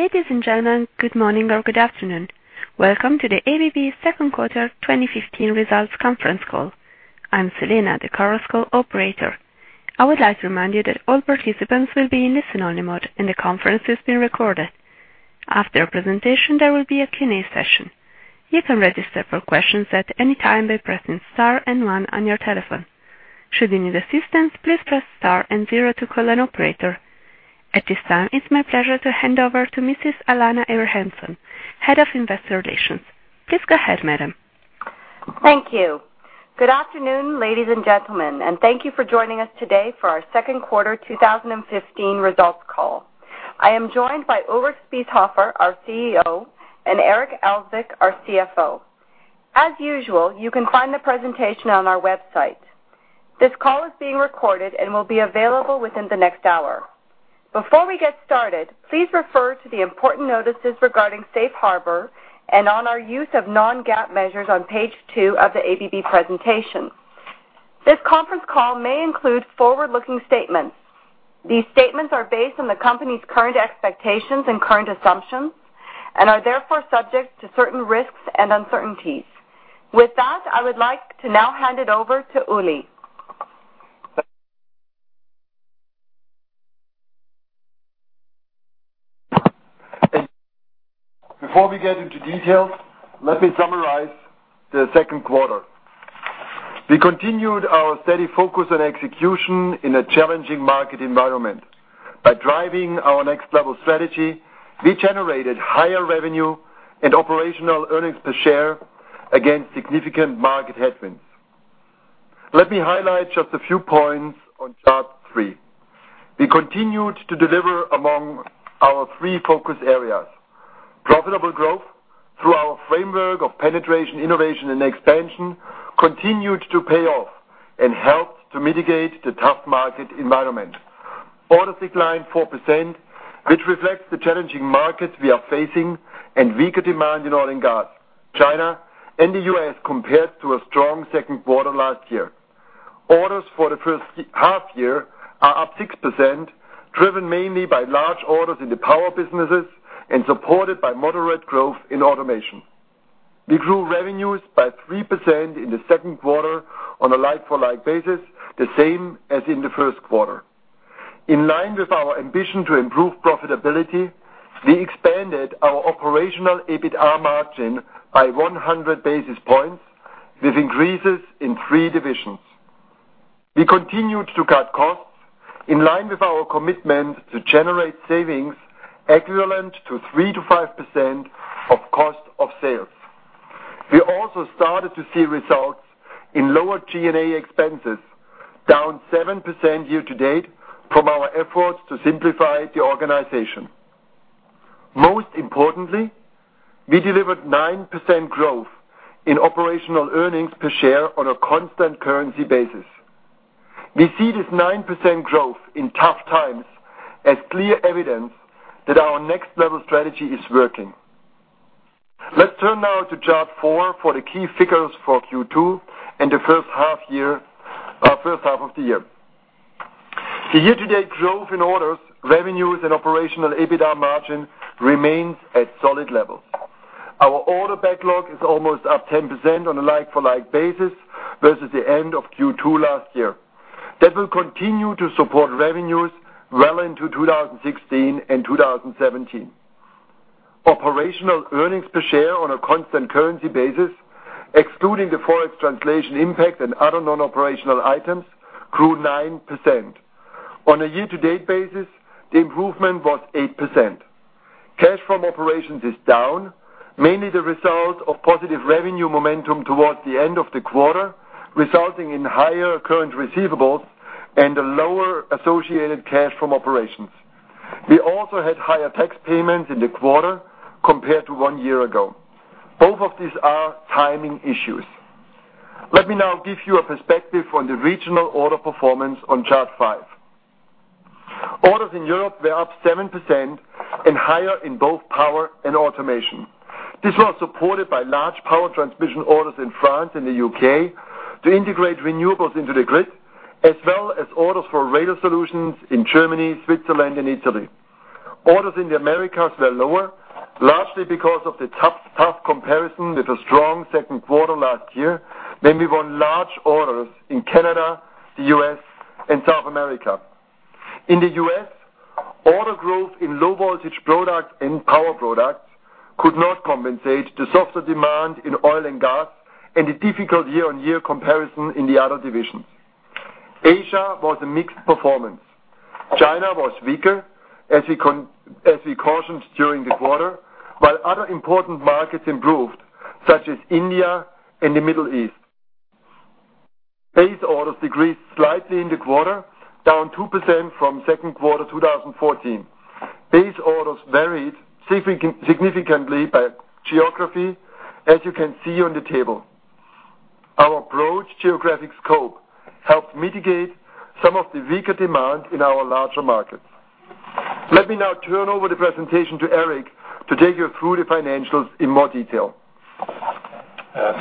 Ladies and gentlemen, good morning or good afternoon. Welcome to the ABB second quarter 2015 results conference call. I'm Selena, the conference call operator. I would like to remind you that all participants will be in listen-only mode, and the conference is being recorded. After a presentation, there will be a Q&A session. You can register for questions at any time by pressing star and one on your telephone. Should you need assistance, please press star and zero to call an operator. At this time, it's my pleasure to hand over to Mrs. Alanna Abrahamson, head of investor relations. Please go ahead, madam. Thank you. Good afternoon, ladies and gentlemen, and thank you for joining us today for our second quarter 2015 results call. I am joined by Ulrich Spiesshofer, our CEO, and Eric Elzvik, our CFO. As usual, you can find the presentation on our website. This call is being recorded and will be available within the next hour. Before we get started, please refer to the important notices regarding Safe Harbor and on our use of non-GAAP measures on page two of the ABB presentation. This conference call may include forward-looking statements. These statements are based on the company's current expectations and current assumptions and are therefore subject to certain risks and uncertainties. With that, I would like to now hand it over to Uli. Before we get into details, let me summarize the second quarter. We continued our steady focus on execution in a challenging market environment. By driving our Next Level strategy, we generated higher revenue and operational earnings per share against significant market headwinds. Let me highlight just a few points on chart three. We continued to deliver among our three focus areas. Profitable growth through our framework of Penetration, Innovation, and Expansion continued to pay off and helped to mitigate the tough market environment. Orders declined 4%, which reflects the challenging markets we are facing and weaker demand in oil and gas, China, and the U.S. compared to a strong second quarter last year. Orders for the first half year are up 6%, driven mainly by large orders in the power businesses and supported by moderate growth in automation. We grew revenues by 3% in the second quarter on a like-for-like basis, the same as in the first quarter. In line with our ambition to improve profitability, we expanded our operational EBITDA margin by 100 basis points with increases in three divisions. We continued to cut costs in line with our commitment to generate savings equivalent to 3% to 5% of cost of sales. We also started to see results in lower G&A expenses, down 7% year-to-date from our efforts to simplify the organization. Most importantly, we delivered 9% growth in operational earnings per share on a constant currency basis. We see this 9% growth in tough times as clear evidence that our Next Level strategy is working. Let's turn now to chart four for the key figures for Q2 and the first half of the year. The year-to-date growth in orders, revenues, and operational EBITDA margin remains at solid levels. Our order backlog is almost up 10% on a like-for-like basis versus the end of Q2 last year. That will continue to support revenues well into 2016 and 2017. Operational earnings per share on a constant currency basis, excluding the FOREX translation impact and other non-operational items, grew 9%. On a year-to-date basis, the improvement was 8%. Cash from operations is down, mainly the result of positive revenue momentum towards the end of the quarter, resulting in higher current receivables and a lower associated cash from operations. We also had higher tax payments in the quarter compared to one year ago. Both of these are timing issues. Let me now give you a perspective on the regional order performance on chart five. Orders in Europe were up 7% and higher in both power and automation. This was supported by large power transmission orders in France and the U.K. to integrate renewables into the grid, as well as orders for radar solutions in Germany, Switzerland, and Italy. Orders in the Americas were lower, largely because of the tough comparison with a strong second quarter last year, when we won large orders in Canada, the U.S., and South America. In the U.S., order growth in Low Voltage Products and Power Products could not compensate the softer demand in oil and gas and the difficult year-on-year comparison in the other divisions. Asia was a mixed performance. China was weaker, as we cautioned during the quarter, while other important markets improved, such as India and the Middle East. Base orders decreased slightly in the quarter, down 2% from second quarter 2014. Base orders varied significantly by geography, as you can see on the table. Our broad geographic scope helped mitigate some of the weaker demand in our larger markets. Let me now turn over the presentation to Eric to take you through the financials in more detail.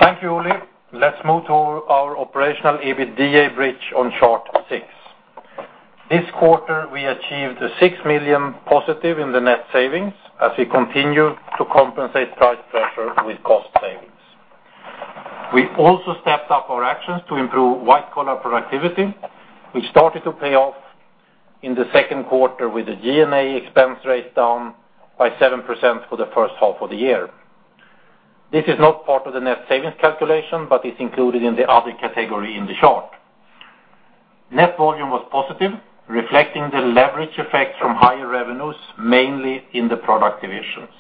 Thank you, Uli. Let's move to our operational EBITDA bridge on chart six. This quarter, we achieved a $6 million positive in the net savings as we continue to compensate price pressure with cost savings. We also stepped up our actions to improve white-collar productivity, which started to pay off in the second quarter with the G&A expense rate down by 7% for the first half of the year. This is not part of the net savings calculation, but it's included in the other category in the chart. Net volume was positive, reflecting the leverage effect from higher revenues, mainly in the product divisions.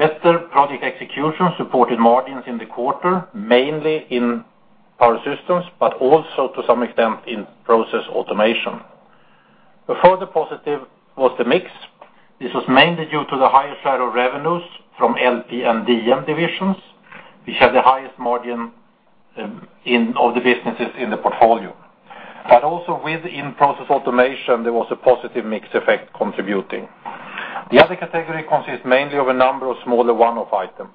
Better project execution supported margins in the quarter, mainly in Power Systems, but also to some extent in Process Automation. A further positive was the mix. This was mainly due to the higher share of revenues from LP and DM divisions, which had the highest margin of the businesses in the portfolio. Also within Process Automation, there was a positive mix effect contributing. The other category consists mainly of a number of smaller one-off items.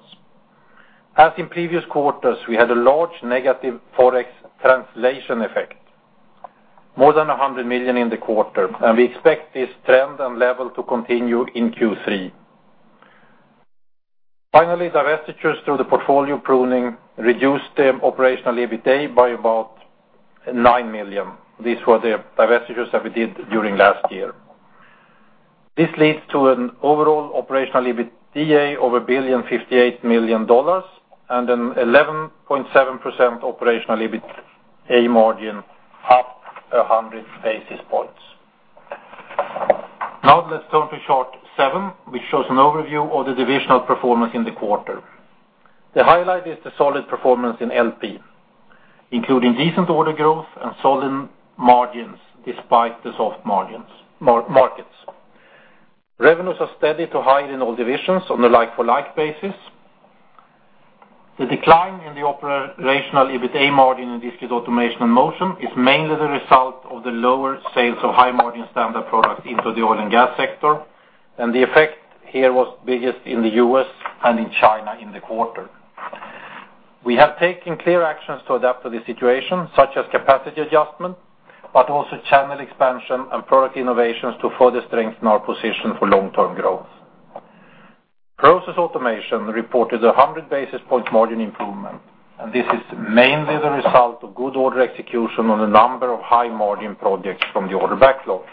As in previous quarters, we had a large negative Forex translation effect, more than $100 million in the quarter, and we expect this trend and level to continue in Q3. Finally, divestitures through the portfolio pruning reduced the operational EBITDA by about $9 million. These were the divestitures that we did during last year. This leads to an overall operational EBITDA of $1.058 billion, and an 11.7% operational EBITDA margin, up 100 basis points. Now let's turn to chart seven, which shows an overview of the divisional performance in the quarter. The highlight is the solid performance in LP, including decent order growth and solid margins despite the soft markets. Revenues are steady to high in all divisions on a like-for-like basis. The decline in the operational EBITDA margin in Discrete Automation and Motion is mainly the result of the lower sales of high-margin standard products into the oil and gas sector, and the effect here was biggest in the U.S. and in China in the quarter. We have taken clear actions to adapt to the situation, such as capacity adjustment, but also channel expansion and product innovations to further strengthen our position for long-term growth. Process Automation reported 100 basis point margin improvement, this is mainly the result of good order execution on a number of high-margin projects from the order backlog.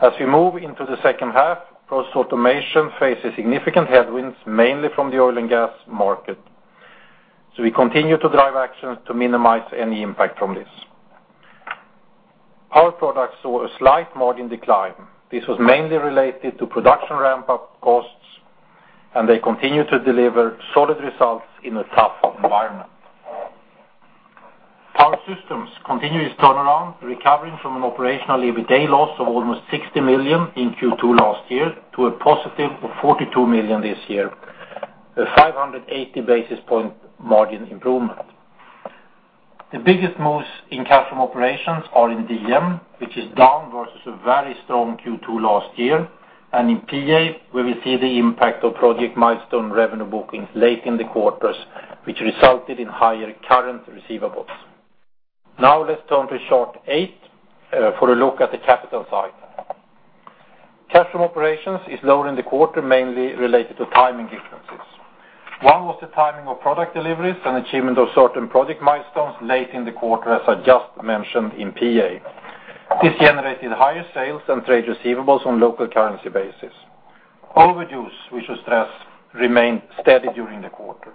As we move into the second half, Process Automation faces significant headwinds, mainly from the oil and gas market. We continue to drive actions to minimize any impact from this. Our products saw a slight margin decline. This was mainly related to production ramp-up costs, and they continue to deliver solid results in a tough environment. Power Systems continue its turnaround, recovering from an operational EBITDA loss of almost $60 million in Q2 last year to a positive of $42 million this year, a 580 basis point margin improvement. The biggest moves in cash from operations are in DM, which is down versus a very strong Q2 last year, and in PA, where we see the impact of project milestone revenue bookings late in the quarters, which resulted in higher current receivables. Now let's turn to chart eight for a look at the capital side. Cash from operations is lower in the quarter, mainly related to timing differences. One was the timing of product deliveries and achievement of certain project milestones late in the quarter, as I just mentioned in PA. This generated higher sales and trade receivables on local currency basis. Overdue, we should stress, remained steady during the quarter.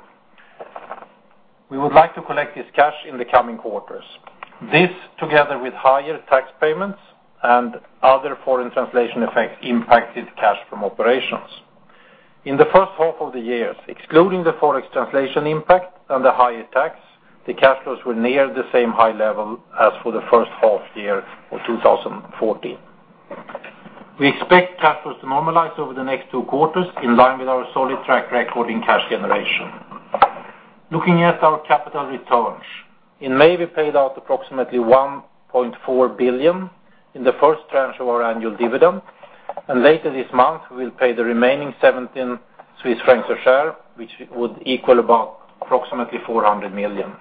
We would like to collect this cash in the coming quarters. This, together with higher tax payments and other Forex translation effects, impacted cash from operations. In the first half of the year, excluding the Forex translation impact and the higher tax, the cash flows were near the same high level as for the first half year of 2014. We expect cash flows to normalize over the next two quarters in line with our solid track record in cash generation. Looking at our capital returns. In May, we paid out approximately $1.4 billion in the first tranche of our annual dividend. Later this month, we will pay the remaining 17 Swiss francs a share, which would equal approximately $400 million.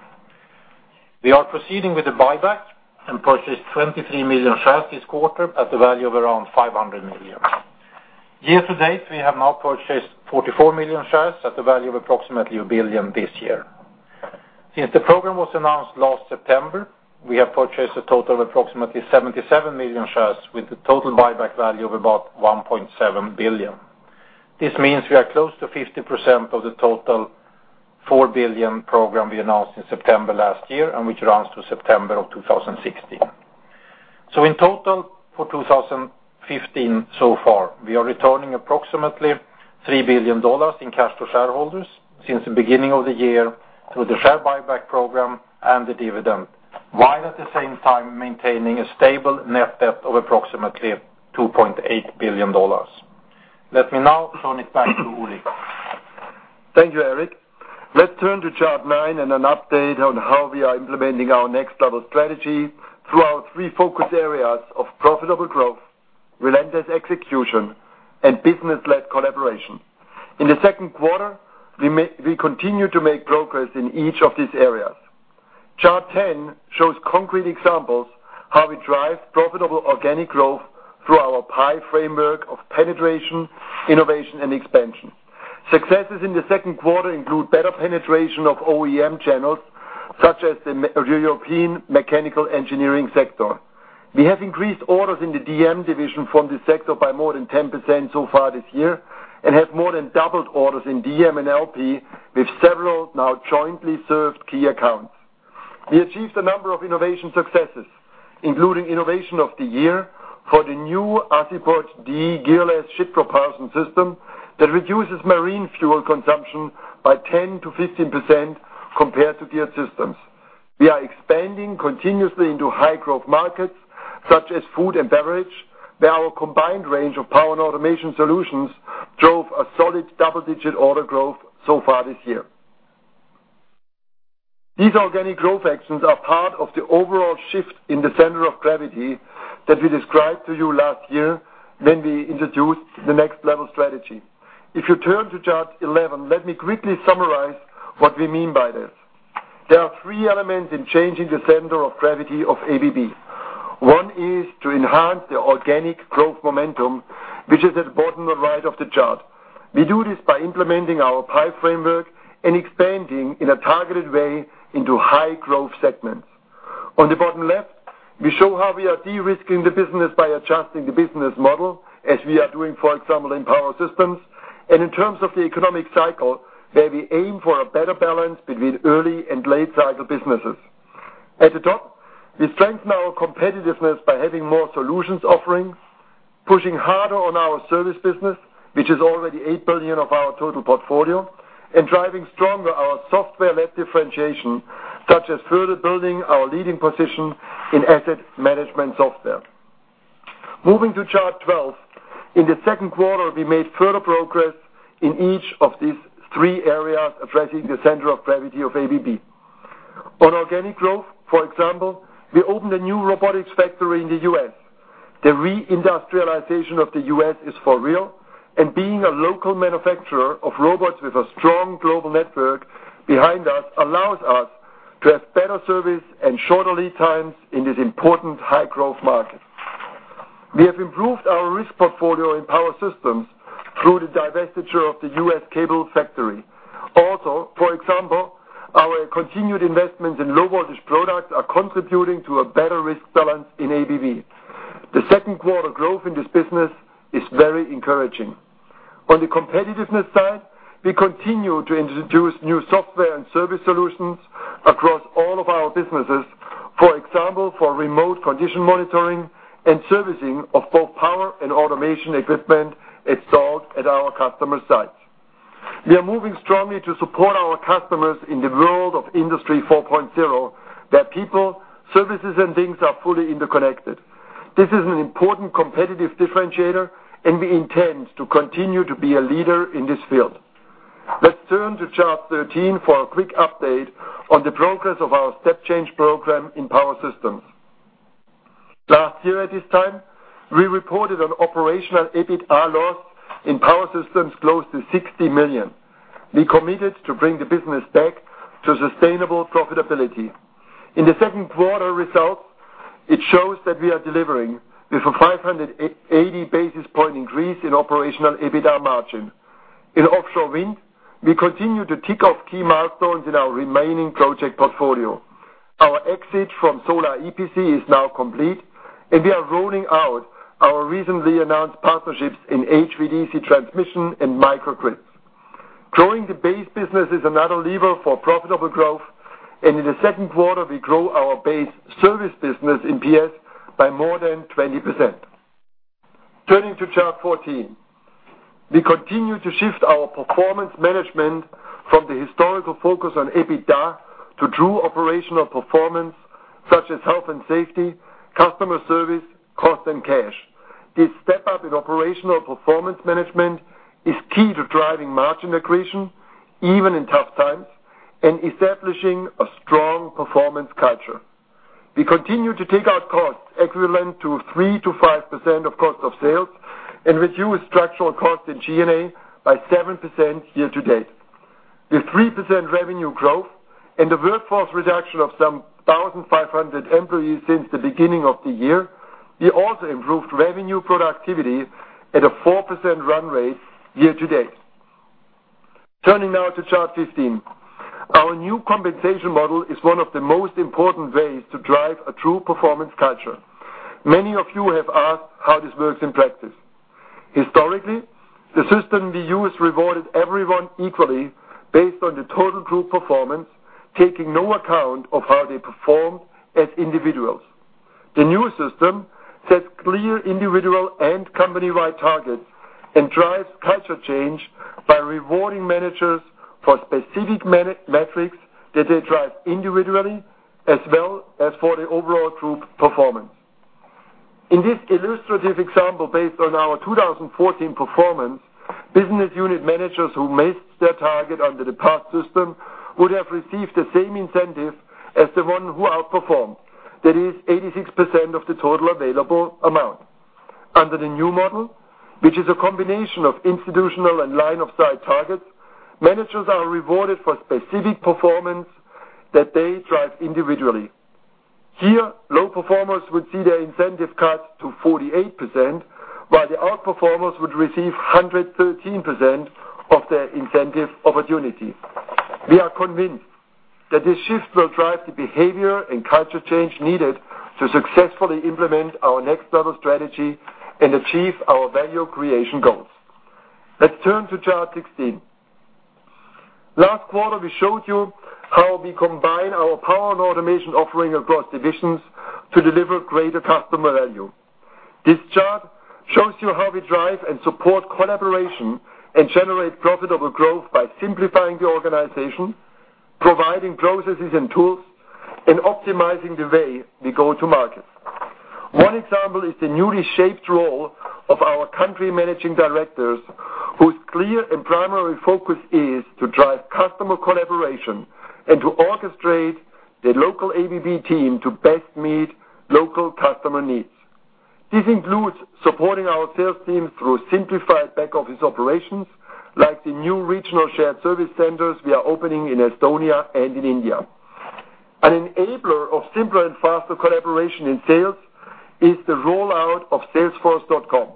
We are proceeding with the buyback and purchased 23 million shares this quarter at the value of around $500 million. Year to date, we have now purchased 44 million shares at the value of approximately $1 billion this year. Since the program was announced last September, we have purchased a total of approximately 77 million shares with a total buyback value of about $1.7 billion. This means we are close to 50% of the total $4 billion program we announced in September last year and which runs to September of 2016. In total, for 2015 so far, we are returning approximately $3 billion in cash to shareholders since the beginning of the year through the share buyback program and the dividend, while at the same time maintaining a stable net debt of approximately $2.8 billion. Let me now turn it back to Uli. Thank you, Eric. Let's turn to chart nine and an update on how we are implementing our Next Level strategy through our three focus areas of profitable growth, Relentless execution, and business-led collaboration. In the second quarter, we continued to make progress in each of these areas. Chart 10 shows concrete examples how we drive profitable organic growth through our PIE framework of Penetration, Innovation, and Expansion. Successes in the second quarter include better penetration of OEM channels, such as the European mechanical engineering sector. We have increased orders in the DM division from this sector by more than 10% so far this year and have more than doubled orders in DM and LP with several now jointly served key accounts. We achieved a number of innovation successes, including innovation of the year for the new Azipod D gearless ship propulsion system that reduces marine fuel consumption by 10%-15% compared to geared systems. We are expanding continuously into high growth markets such as food and beverage, where our combined range of power and automation solutions drove a solid double-digit order growth so far this year. These organic growth actions are part of the overall shift in the center of gravity that we described to you last year when we introduced the Next Level strategy. If you turn to Chart 11, let me quickly summarize what we mean by this. There are three elements in changing the center of gravity of ABB. One is to enhance the organic growth momentum, which is at the bottom right of the chart. We do this by implementing our PIE framework and expanding in a targeted way into high growth segments. On the bottom left, we show how we are de-risking the business by adjusting the business model as we are doing, for example, in Power Systems, and in terms of the economic cycle, where we aim for a better balance between early and late cycle businesses. At the top, we strengthen our competitiveness by having more solutions offerings, pushing harder on our service business, which is already $8 billion of our total portfolio, and driving stronger our software-led differentiation, such as further building our leading position in asset management software. Moving to chart 12. In the second quarter, we made further progress in each of these three areas addressing the center of gravity of ABB. On organic growth, for example, we opened a new robotics factory in the U.S. The re-industrialization of the U.S. is for real, being a local manufacturer of robots with a strong global network behind us allows us to have better service and shorter lead times in this important high growth market. We have improved our risk portfolio in Power Systems through the divestiture of the U.S. cable factory. Also, for example, our continued investment in Low Voltage Products are contributing to a better risk balance in ABB. The second quarter growth in this business is very encouraging. On the competitiveness side, we continue to introduce new software and service solutions across all of our businesses. For example, for remote condition monitoring and servicing of both power and automation equipment installed at our customer site. We are moving strongly to support our customers in the world of Industry 4.0, where people, services, and things are fully interconnected. This is an important competitive differentiator, we intend to continue to be a leader in this field. Let's turn to chart 13 for a quick update on the progress of our step change program in Power Systems. Last year at this time, we reported an operational EBITDA loss in Power Systems close to $60 million. We committed to bring the business back to sustainable profitability. In the second quarter results, it shows that we are delivering with a 580 basis point increase in operational EBITDA margin. In offshore wind, we continue to tick off key milestones in our remaining project portfolio. Our exit from solar EPC is now complete, we are rolling out our recently announced partnerships in HVDC transmission and microgrids. Growing the base business is another lever for profitable growth, in the second quarter, we grew our base service business in PS by more than 20%. Turning to chart 14. We continue to shift our performance management from the historical focus on EBITDA to true operational performance, such as health and safety, customer service, cost, and cash. This step up in operational performance management is key to driving margin accretion, even in tough times, and establishing a strong performance culture. We continue to take out costs equivalent to 3%-5% of cost of sales and reduce structural costs in G&A by 7% year to date. With 3% revenue growth and a workforce reduction of some 1,500 employees since the beginning of the year, we also improved revenue productivity at a 4% run rate year to date. Turning now to chart 15. Our new compensation model is one of the most important ways to drive a true performance culture. Many of you have asked how this works in practice. Historically, the system we used rewarded everyone equally based on the total group performance, taking no account of how they performed as individuals. The new system sets clear individual and company-wide targets and drives culture change by rewarding managers for specific metrics that they drive individually, as well as for the overall group performance. In this illustrative example, based on our 2014 performance, business unit managers who missed their target under the past system would have received the same incentive as the one who outperformed. That is 86% of the total available amount. Under the new model, which is a combination of institutional and line-of-sight targets, managers are rewarded for specific performance that they drive individually. Here, low performers would see their incentive cut to 48%, while the out-performers would receive 113% of their incentive opportunity. We are convinced that this shift will drive the behavior and culture change needed to successfully implement our Next Level strategy and achieve our value creation goals. Let's turn to chart 16. Last quarter, we showed you how we combine our power and automation offering across divisions to deliver greater customer value. This chart shows you how we drive and support collaboration and generate profitable growth by simplifying the organization, providing processes and tools, and optimizing the way we go to market. One example is the newly shaped role of our country managing directors, whose clear and primary focus is to drive customer collaboration and to orchestrate the local ABB team to best meet local customer needs. This includes supporting our sales team through simplified back-office operations, like the new regional shared service centers we are opening in Estonia and in India. An enabler of simpler and faster collaboration in sales is the rollout of salesforce.com.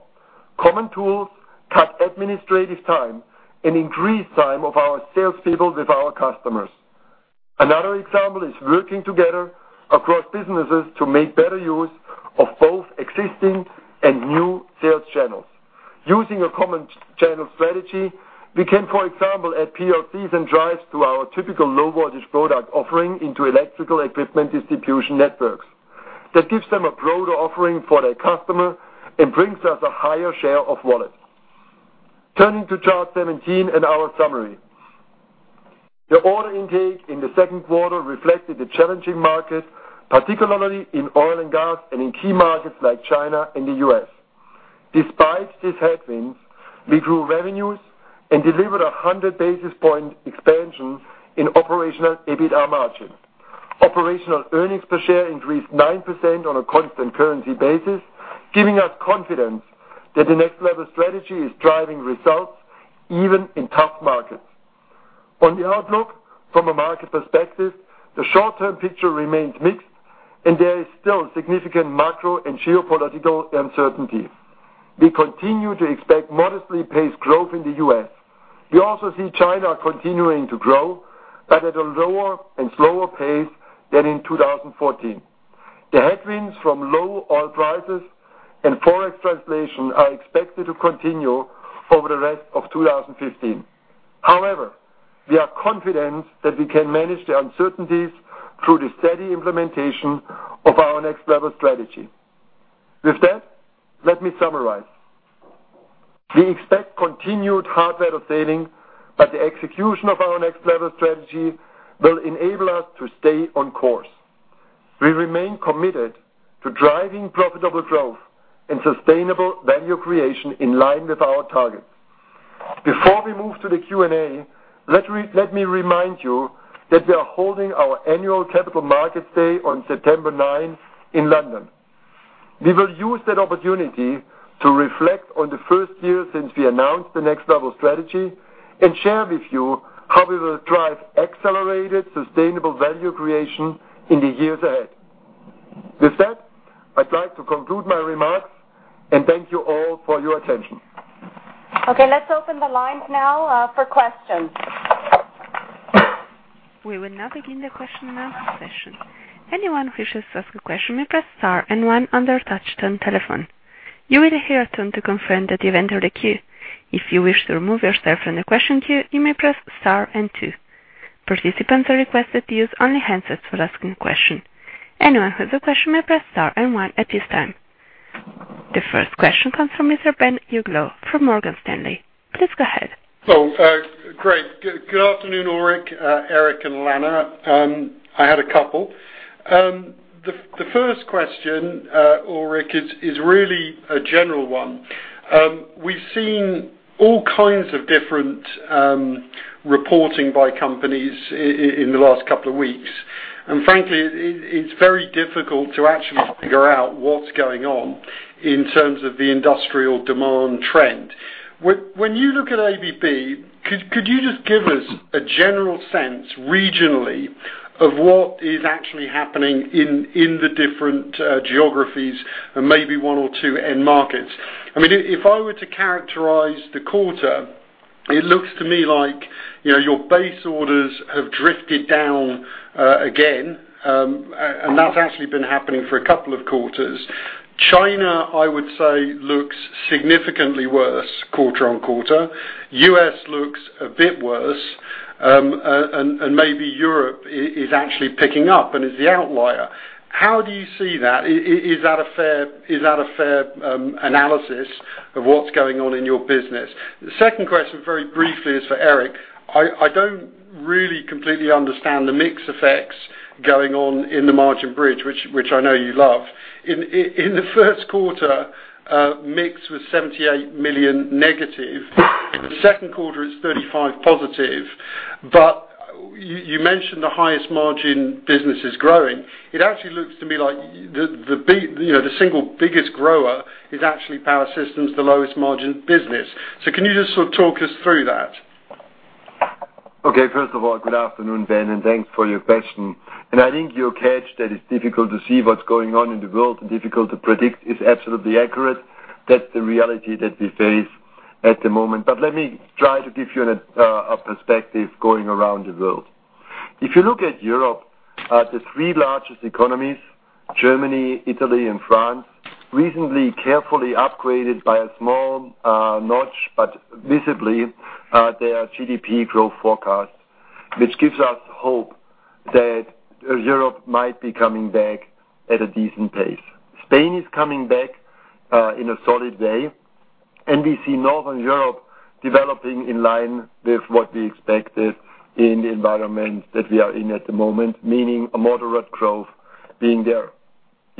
Common tools cut administrative time and increase time of our sales people with our customers. Another example is working together across businesses to make better use of both existing and new sales channels. Using a common channel strategy, we can, for example, add PLCs and drives to our typical low-voltage product offering into electrical equipment distribution networks. That gives them a broader offering for their customer and brings us a higher share of wallet. Turning to chart 17 and our summary. The order intake in the second quarter reflected the challenging market, particularly in oil and gas and in key markets like China and the U.S. Despite these headwinds, we grew revenues and delivered 100 basis point expansion in operational EBITDA margin. Operational earnings per share increased 9% on a constant currency basis, giving us confidence that the Next Level strategy is driving results even in tough markets. On the outlook, from a market perspective, the short-term picture remains mixed, and there is still significant macro and geopolitical uncertainty. We continue to expect modestly paced growth in the U.S. We also see China continuing to grow, but at a lower and slower pace than in 2014. The headwinds from low oil prices and FOREX translation are expected to continue over the rest of 2015. However, we are confident that we can manage the uncertainties through the steady implementation of our Next Level strategy. With that, let me summarize. We expect continued hard weather sailing, but the execution of our Next Level strategy will enable us to stay on course. We remain committed to driving profitable growth and sustainable value creation in line with our targets. Before we move to the Q&A, let me remind you that we are holding our annual Capital Markets Day on September 9th in London. We will use that opportunity to reflect on the first year since we announced the Next Level strategy and share with you how we will drive accelerated sustainable value creation in the years ahead. With that, I'd like to conclude my remarks and thank you all for your attention. Let's open the lines now for questions. We will now begin the question and answer session. Anyone wishes to ask a question, may press star and one on their touchtone telephone. You will hear a tone to confirm that you've entered the queue. If you wish to remove yourself from the question queue, you may press star and two. Participants are requested to use only handsetsfor asking a question. Anyone who has a question may press star and one at this time. The first question comes from Mr. Ben Uglow from Morgan Stanley. Please go ahead. Great. Good afternoon, Ulrich, Eric, and Alanna. I had a couple. The first question, Ulrich, is really a general one. We've seen all kinds of different reporting by companies in the last couple of weeks. Frankly, it's very difficult to actually figure out what's going on in terms of the industrial demand trend. When you look at ABB, could you just give us a general sense regionally of what is actually happening in the different geographies and maybe one or two end markets? If I were to characterize the quarter, it looks to me like your base orders have drifted down again, and that's actually been happening for a couple of quarters. China, I would say, looks significantly worse quarter-on-quarter. U.S. looks a bit worse, and maybe Europe is actually picking up and is the outlier. How do you see that? Is that a fair analysis of what's going on in your business? The second question, very briefly, is for Eric. I don't really completely understand the mix effects going on in the margin bridge, which I know you love. In the first quarter, mix was 78 million negative. The second quarter is 35 positive. You mentioned the highest margin business is growing. It actually looks to me like the single biggest grower is actually Power Systems, the lowest margin business. Can you just sort of talk us through that? First of all, good afternoon, Ben, and thanks for your question. I think your catch that it's difficult to see what's going on in the world and difficult to predict is absolutely accurate. That's the reality that we face at the moment. Let me try to give you a perspective going around the world. If you look at Europe, the three largest economies, Germany, Italy and France, recently carefully upgraded by a small notch, but visibly, their GDP growth forecast, which gives us hope that Europe might be coming back at a decent pace. Spain is coming back in a solid way, we see Northern Europe developing in line with what we expected in the environment that we are in at the moment, meaning a moderate growth being there.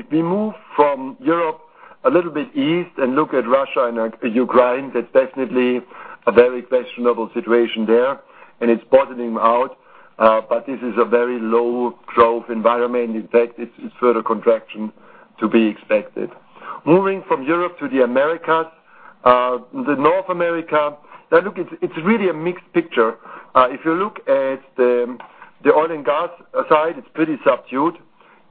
If we move from Europe a little bit east and look at Russia and Ukraine, that's definitely a very questionable situation there, and it's bottoming out. This is a very low growth environment. In fact, it's further contraction to be expected. Moving from Europe to the Americas. North America, it's really a mixed picture. If you look at the oil and gas side, it's pretty subdued.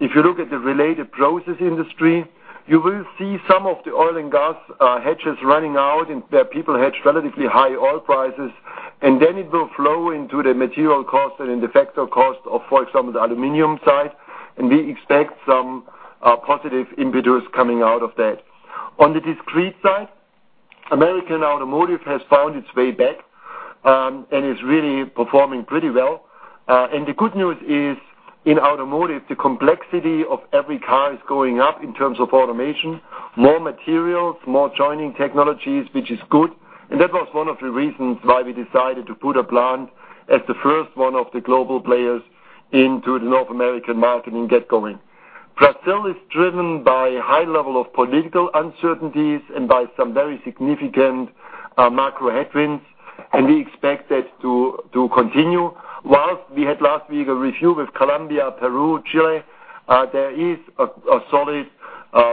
If you look at the related process industry, you will see some of the oil and gas hedges running out, and there people hedged relatively high oil prices, and then it will flow into the material cost and in the factor cost of, for example, the aluminum side, and we expect some positive impetus coming out of that. On the discrete side, American automotive has found its way back, and is really performing pretty well. The good news is, in automotive, the complexity of every car is going up in terms of automation. More materials, more joining technologies, which is good, and that was one of the reasons why we decided to put a plant as the first one of the global players into the North American market and get going. Brazil is driven by high level of political uncertainties and by some very significant macro headwinds, and we expect that to continue. Whilst we had last week a review with Colombia, Peru, Chile, there is a solid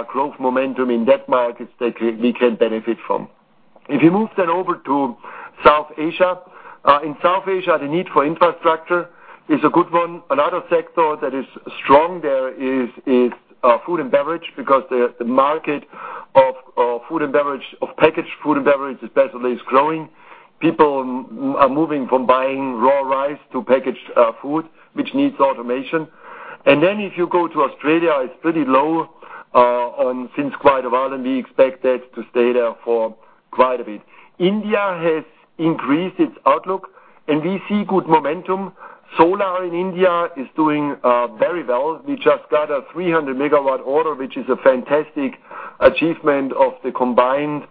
growth momentum in that market that we can benefit from. If you move then over to South Asia. In South Asia, the need for infrastructure is a good one. Another sector that is strong there is food and beverage, because the market of packaged food and beverage especially, is growing. People are moving from buying raw rice to packaged food, which needs automation. If you go to Australia, it's pretty low since quite a while, and we expect that to stay there for quite a bit. India has increased its outlook and we see good momentum. Solar in India is doing very well. We just got a 300 MW order, which is a fantastic achievement of the combined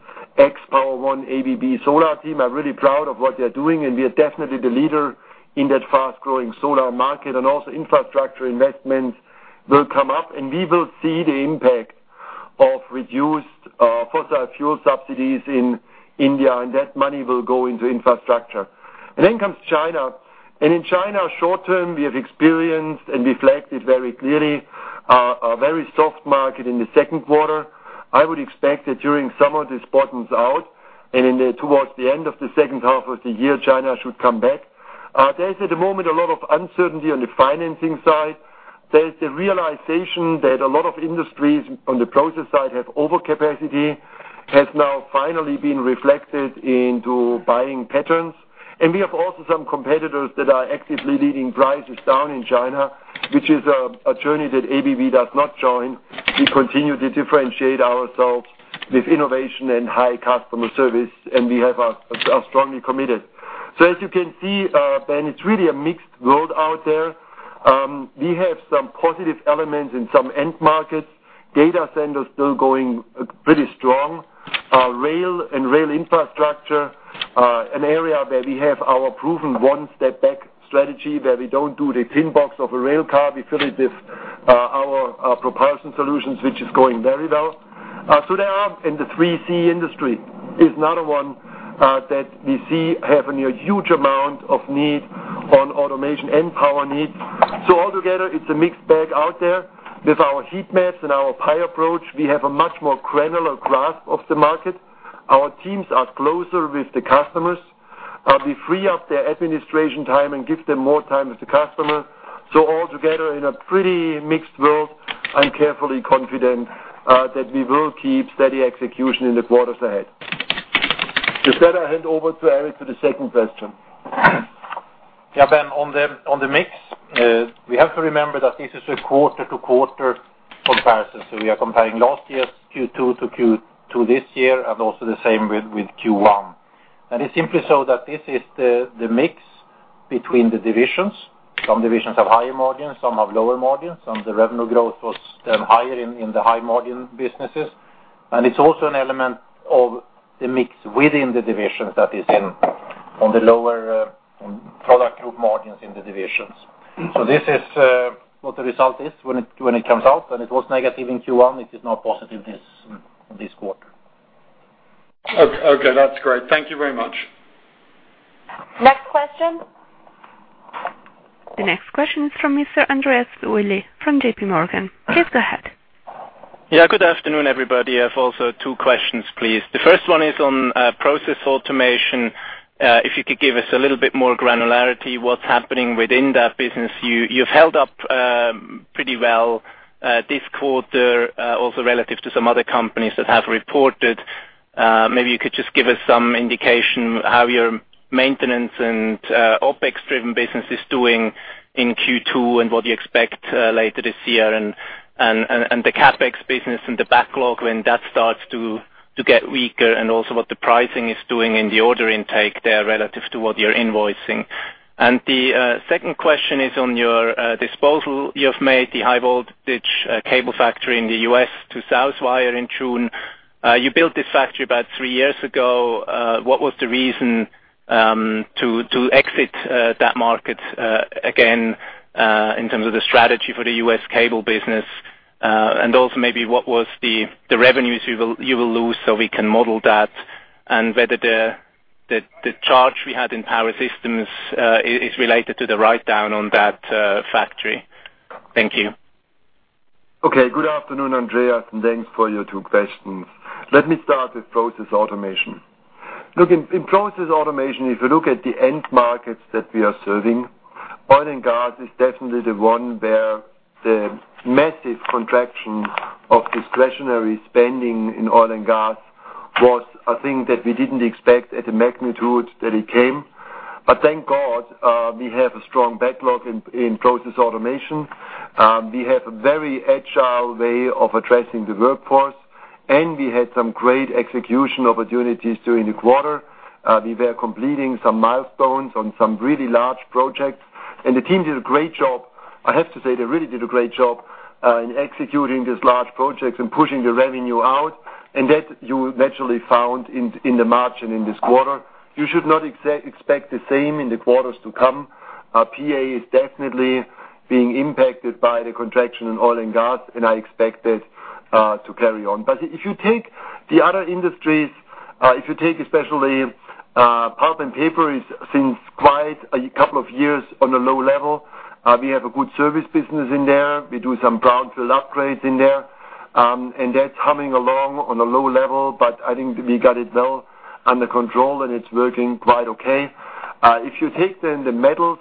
Power-One ABB Solar team. I'm really proud of what they're doing, and we are definitely the leader in that fast-growing solar market. Also infrastructure investments will come up, and we will see the impact of reduced fossil fuel subsidies in India, and that money will go into infrastructure. Comes China. In China, short term, we have experienced and reflected very clearly, a very soft market in the second quarter. I would expect that during summer, this bottoms out, and towards the end of the second half of the year, China should come back. There is, at the moment, a lot of uncertainty on the financing side. There is the realization that a lot of industries on the process side have overcapacity, has now finally been reflected into buying patterns. We have also some competitors that are actively leading prices down in China, which is a journey that ABB does not join. We continue to differentiate ourselves with innovation and high customer service, and we are strongly committed. As you can see, Ben, it's really a mixed world out there. We have some positive elements in some end markets. Data centers still going pretty strong. Rail and rail infrastructure, an area where we have our proven one step back strategy, where we don't do the tin box of a rail car. We fill it with our propulsion solutions, which is going very well. The 3C industry is another one that we see having a huge amount of need on automation and power needs. Altogether, it's a mixed bag out there. With our heat maps and our PIE approach, we have a much more granular grasp of the market. Our teams are closer with the customers. We free up their administration time and give them more time with the customer. Altogether, in a pretty mixed world, I'm carefully confident that we will keep steady execution in the quarters ahead. With that, I hand over to Eric for the second question. Yeah, Ben, on the mix, we have to remember that this is a quarter-to-quarter comparison. We are comparing last year's Q2 to Q2 this year, and also the same with Q1. It's simply so that this is the mix between the divisions. Some divisions have higher margins, some have lower margins. Some of the revenue growth was higher in the high-margin businesses. It's also an element of the mix within the divisions that is on the lower product group margins in the divisions. This is what the result is when it comes out, and it was negative in Q1. It is now positive this quarter. Okay. That's great. Thank you very much. Next question. The next question is from Mr. Andreas Willi from J.P. Morgan. Please go ahead. Good afternoon, everybody. I have also two questions, please. The first one is on Process Automation. If you could give us a little bit more granularity, what's happening within that business. You've held up pretty well this quarter, also relative to some other companies that have reported. Maybe you could just give us some indication how your maintenance and OpEx-driven business is doing in Q2 and what you expect later this year, and the CapEx business and the backlog, when that starts to get weaker, and also what the pricing is doing in the order intake there relative to what you're invoicing. The second question is on your disposal. You have made the high voltage cable factory in the U.S. to Southwire in June. You built this factory about three years ago. What was the reason to exit that market again in terms of the strategy for the U.S. cable business? Also maybe what was the revenues you will lose so we can model that, and whether the charge we had in Power Systems is related to the write-down on that factory. Thank you. Good afternoon, Andreas, and thanks for your two questions. Let me start with Process Automation. In Process Automation, if you look at the end markets that we are serving, oil and gas is definitely the one where the massive contraction of discretionary spending in oil and gas was a thing that we didn't expect at the magnitude that it came. Thank God, we have a strong backlog in Process Automation. We have a very agile way of addressing the workforce, and we had some great execution opportunities during the quarter. We were completing some milestones on some really large projects, and the team did a great job. I have to say they really did a great job in executing these large projects and pushing the revenue out, and that you naturally found in the margin in this quarter. You should not expect the same in the quarters to come. PA is definitely being impacted by the contraction in oil and gas, and I expect it to carry on. If you take the other industries, if you take especially pulp and paper is, since quite a couple of years, on a low level. We have a good service business in there. We do some brownfield upgrades in there. That's humming along on a low level, but I think we got it well under control and it's working quite okay. If you take the metals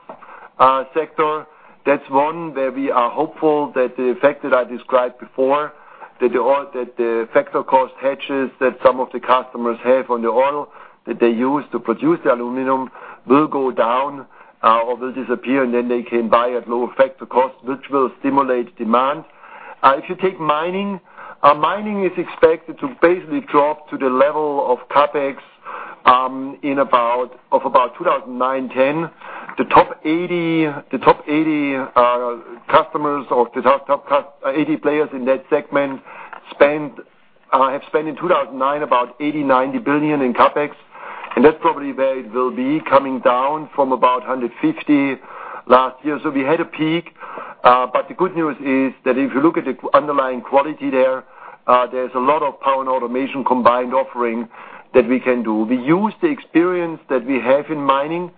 sector, that's one where we are hopeful that the effect that I described before, that the factor cost hedges that some of the customers have on the oil that they use to produce the aluminum will go down or will disappear, and then they can buy at low factor cost, which will stimulate demand. If you take mining. Mining is expected to basically drop to the level of CapEx of about 2009-2010. The top 80 customers or the top 80 players in that segment have spent in 2009 about $80 billion, $90 billion in CapEx, and that's probably where it will be coming down from about $150 billion last year. We had a peak. The good news is that if you look at the underlying quality there's a lot of power and automation combined offering that we can do. We use the experience that we have in mining,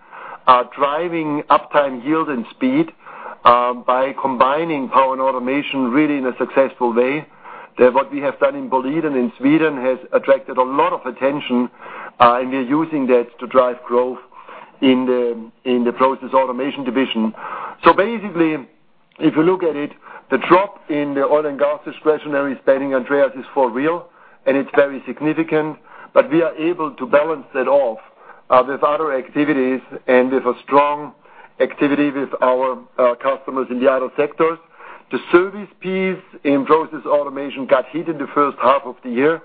driving uptime yield and speed by combining power and automation really in a successful way. That what we have done in Boliden in Sweden has attracted a lot of attention, and we're using that to drive growth in the Process Automation division. Basically, if you look at it, the drop in the oil and gas discretionary spending, Andreas, is for real, and it's very significant, but we are able to balance that off with other activities and with a strong activity with our customers in the other sectors. The service piece in Process Automation got hit in the first half of the year.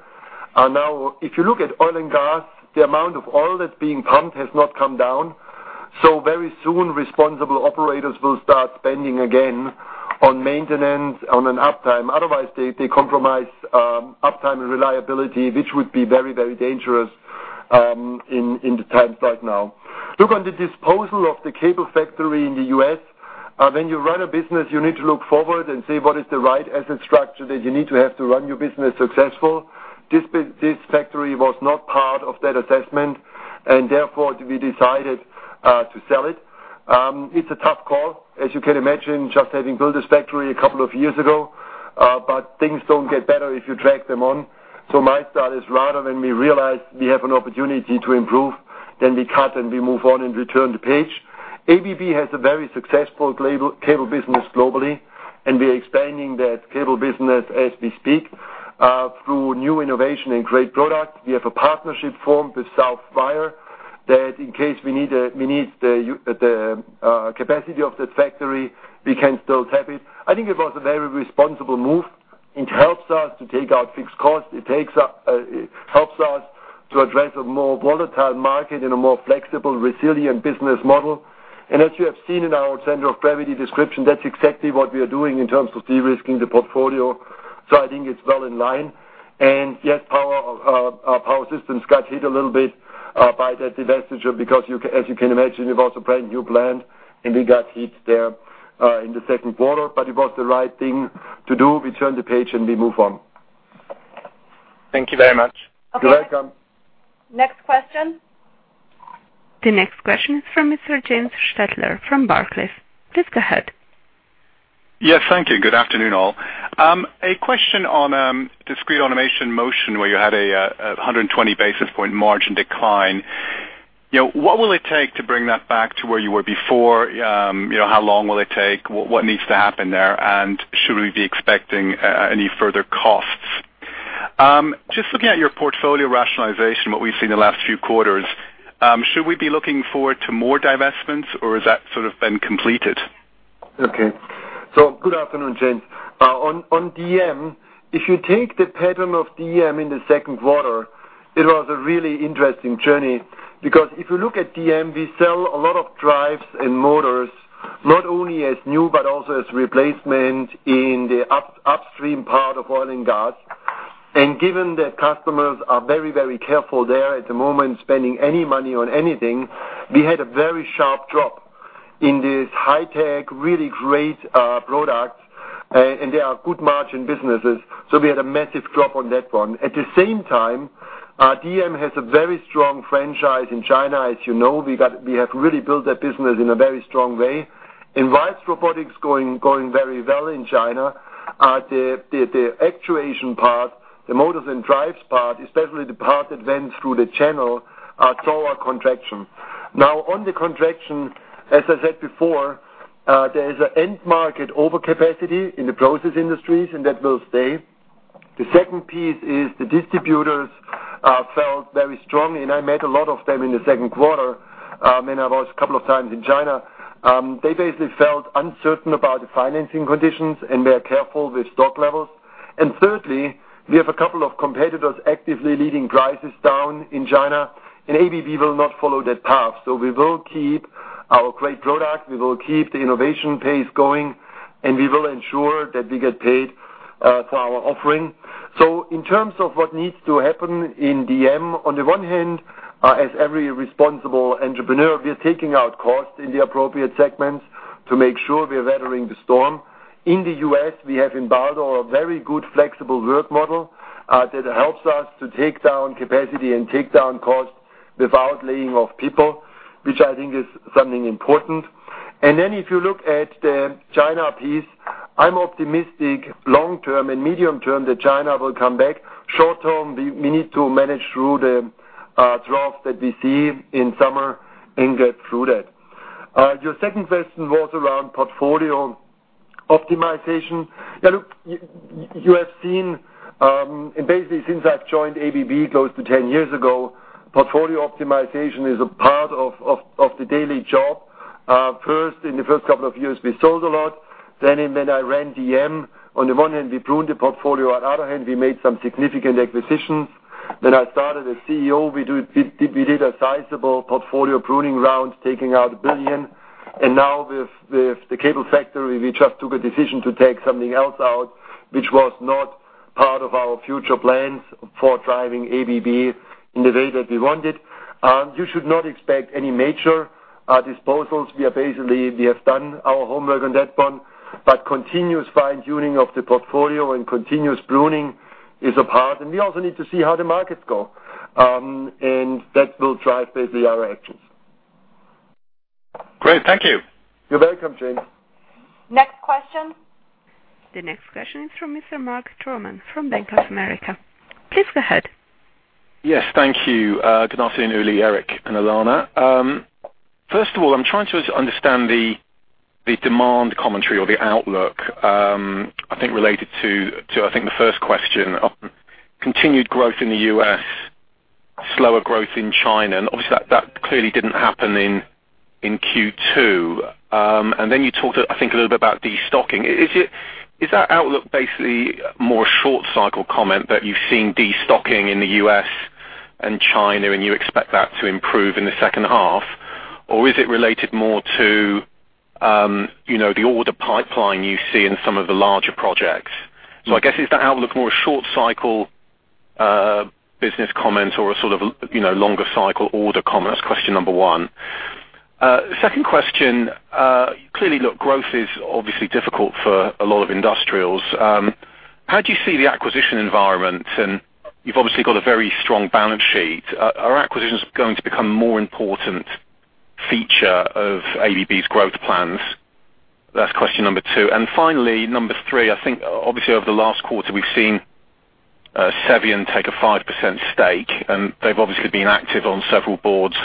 If you look at oil and gas, the amount of oil that's being pumped has not come down. Very soon, responsible operators will start spending again on maintenance, on an uptime. Otherwise, they compromise uptime and reliability, which would be very dangerous in the times right now. Look on the disposal of the cable factory in the U.S. When you run a business, you need to look forward and say, what is the right asset structure that you need to have to run your business successful. This factory was not part of that assessment, and therefore we decided to sell it. It's a tough call, as you can imagine, just having built this factory a couple of years ago. Things don't get better if you drag them on. My style is rather when we realize we have an opportunity to improve, then we cut and we move on and return the page. ABB has a very successful cable business globally, and we're expanding that cable business as we speak through new innovation and great product. We have a partnership formed with Southwire that in case we need the capacity of that factory, we can still tap it. I think it was a very responsible move. It helps us to take out fixed costs. It helps us to address a more volatile market in a more flexible, resilient business model. As you have seen in our center of gravity description, that's exactly what we are doing in terms of de-risking the portfolio. I think it's well in line. Yes, our Power Systems got hit a little bit by that divestiture because as you can imagine, we've also planned new plant, and we got hit there in the second quarter. It was the right thing to do. We turn the page, and we move on. Thank you very much. You're welcome. Next question. The next question is from Mr. James Stettler from Barclays. Please go ahead. Yes, thank you. Good afternoon, all. A question on Discrete Automation and Motion where you had a 120 basis point margin decline. What will it take to bring that back to where you were before? How long will it take? What needs to happen there? Should we be expecting any further costs? Just looking at your portfolio rationalization, what we've seen the last few quarters, should we be looking forward to more divestments, or has that sort of been completed? Okay. Good afternoon, James. On DM, if you take the pattern of DM in the second quarter, it was a really interesting journey because if you look at DM, we sell a lot of drives and motors, not only as new but also as replacement in the upstream part of oil and gas. Given that customers are very careful there at the moment spending any money on anything, we had a very sharp drop in these high-tech, really great products, and they are good margin businesses. We had a massive drop on that one. At the same time, DM has a very strong franchise in China, as you know. We have really built that business in a very strong way. Whilst robotics going very well in China, the actuation part, the motors and drives part, especially the part that went through the channel, saw a contraction. Now, on the contraction, as I said before, there is an end market overcapacity in the process industries, that will stay. The second piece is the distributors felt very strongly, I met a lot of them in the second quarter when I was a couple of times in China. They basically felt uncertain about the financing conditions and were careful with stock levels. Thirdly, we have a couple of competitors actively leading prices down in China, ABB will not follow that path. We will keep our great product, we will keep the innovation pace going, we will ensure that we get paid for our offering. In terms of what needs to happen in DM, on the one hand, as every responsible entrepreneur, we are taking out cost in the appropriate segments to make sure we are weathering the storm. In the U.S., we have embarked on a very good flexible work model that helps us to take down capacity and take down costs without laying off people, which I think is something important. If you look at the China piece, I'm optimistic long term and medium term that China will come back. Short term, we need to manage through the trough that we see in summer and get through that. Your second question was around portfolio optimization. You have seen, basically since I've joined ABB close to 10 years ago, portfolio optimization is a part of the daily job. First, in the first couple of years, we sold a lot. When I ran DM, on the one hand, we pruned the portfolio. On the other hand, we made some significant acquisitions. I started as CEO, we did a sizable portfolio pruning round, taking out $1 billion. Now with the cable factory, we just took a decision to take something else out, which was not part of our future plans for driving ABB in the way that we wanted. You should not expect any major disposals. Basically, we have done our homework on that one, continuous fine-tuning of the portfolio and continuous pruning is a part, and we also need to see how the markets go. That will drive basically our actions. Great. Thank you. You're welcome, James. Next question. The next question is from Mr. Mark Troman from Bank of America. Please go ahead. Yes, thank you. Good afternoon, Uli, Eric, and Alanna. First of all, I'm trying to understand the demand commentary or the outlook, I think related to, I think the first question, continued growth in the U.S., slower growth in China. Obviously that clearly didn't happen in Q2. Then you talked, I think a little bit about destocking. Is that outlook basically more a short cycle comment that you've seen destocking in the U.S. and China and you expect that to improve in the second half? Or is it related more to the order pipeline you see in some of the larger projects? I guess, is that outlook more a short cycle business comment or a sort of longer cycle order comment? That's question number one. Second question, clearly, look, growth is obviously difficult for a lot of industrials. How do you see the acquisition environment? You've obviously got a very strong balance sheet. Are acquisitions going to become a more important feature of ABB's growth plans? That's question number two. Finally, number three, I think obviously over the last quarter, we've seen Cevian take a 5% stake, and they've obviously been active on several boards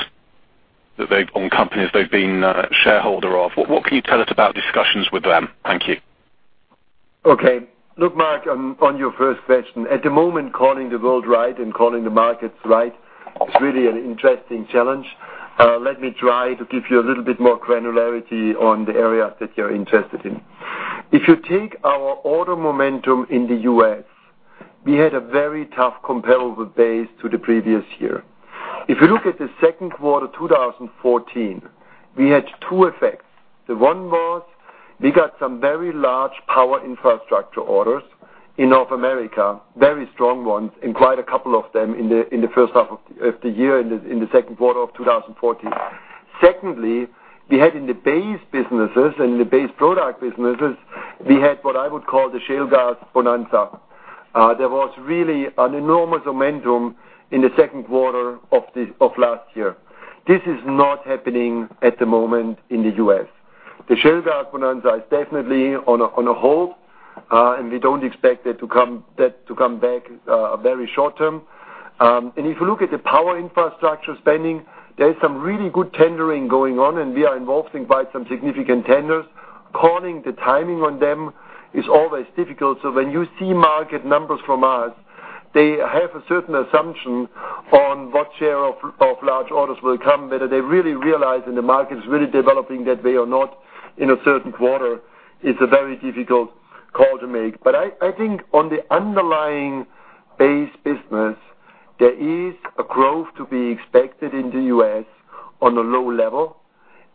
on companies they've been a shareholder of. What can you tell us about discussions with them? Thank you. Okay. Look, Mark, on your first question. At the moment, calling the world right and calling the markets right is really an interesting challenge. Let me try to give you a little bit more granularity on the areas that you're interested in. If you take our order momentum in the U.S. We had a very tough comparable base to the previous year. If you look at the second quarter 2014, we had two effects. One was we got some very large power infrastructure orders in North America, very strong ones, and quite a couple of them in the first half of the year, in the second quarter of 2014. Secondly, we had in the base businesses and the base product businesses, we had what I would call the shale gas bonanza. There was really an enormous momentum in the second quarter of last year. This is not happening at the moment in the U.S. The shale gas bonanza is definitely on hold, we don't expect that to come back very short-term. If you look at the power infrastructure spending, there is some really good tendering going on, we are involved in quite some significant tenders. Calling the timing on them is always difficult. When you see market numbers from us, they have a certain assumption on what share of large orders will come, whether they really realize and the market is really developing that way or not in a certain quarter, it's a very difficult call to make. I think on the underlying base business, there is a growth to be expected in the U.S. on a low level.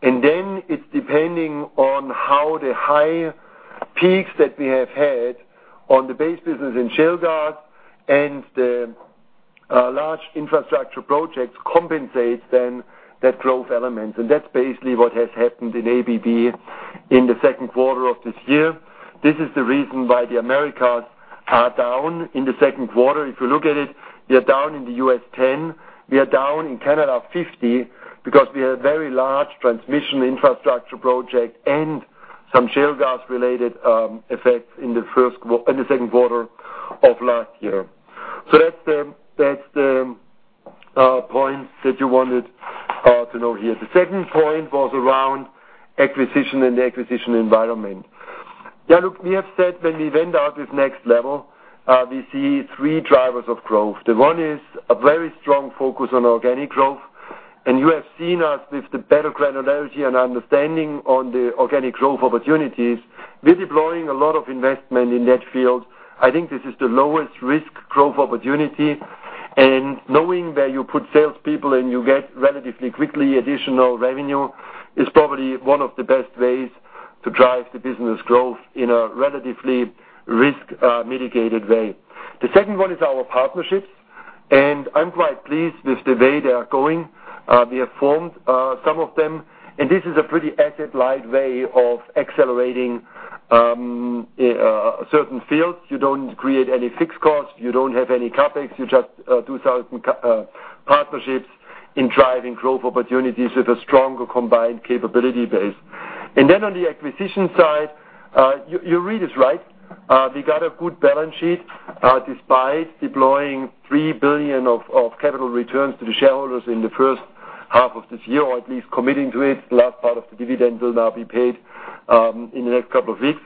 It's depending on how the high peaks that we have had on the base business in shale gas and the large infrastructure projects compensate then that growth element. That's basically what has happened in ABB in the second quarter of this year. This is the reason why the Americas are down in the second quarter. If you look at it, we are down in the U.S. 10, we are down in Canada 50 because we had a very large transmission infrastructure project and some shale gas-related effects in the second quarter of last year. That's the point that you wanted to know here. The second point was around acquisition and the acquisition environment. Look, we have said when we went out this Next Level, we see three drivers of growth. One is a very strong focus on organic growth, you have seen us with the better granularity and understanding on the organic growth opportunities. We're deploying a lot of investment in that field. I think this is the lowest risk growth opportunity, knowing where you put salespeople and you get relatively quickly additional revenue is probably one of the best ways to drive the business growth in a relatively risk-mitigated way. The second one is our partnerships, I'm quite pleased with the way they are going. We have formed some of them, this is a pretty asset-light way of accelerating certain fields. You don't create any fixed costs, you don't have any CapEx. You just do some partnerships in driving growth opportunities with a stronger combined capability base. On the acquisition side, you read this right. We got a good balance sheet despite deploying $3 billion of capital returns to the shareholders in the first half of this year, or at least committing to it. The last part of the dividend will now be paid in the next couple of weeks.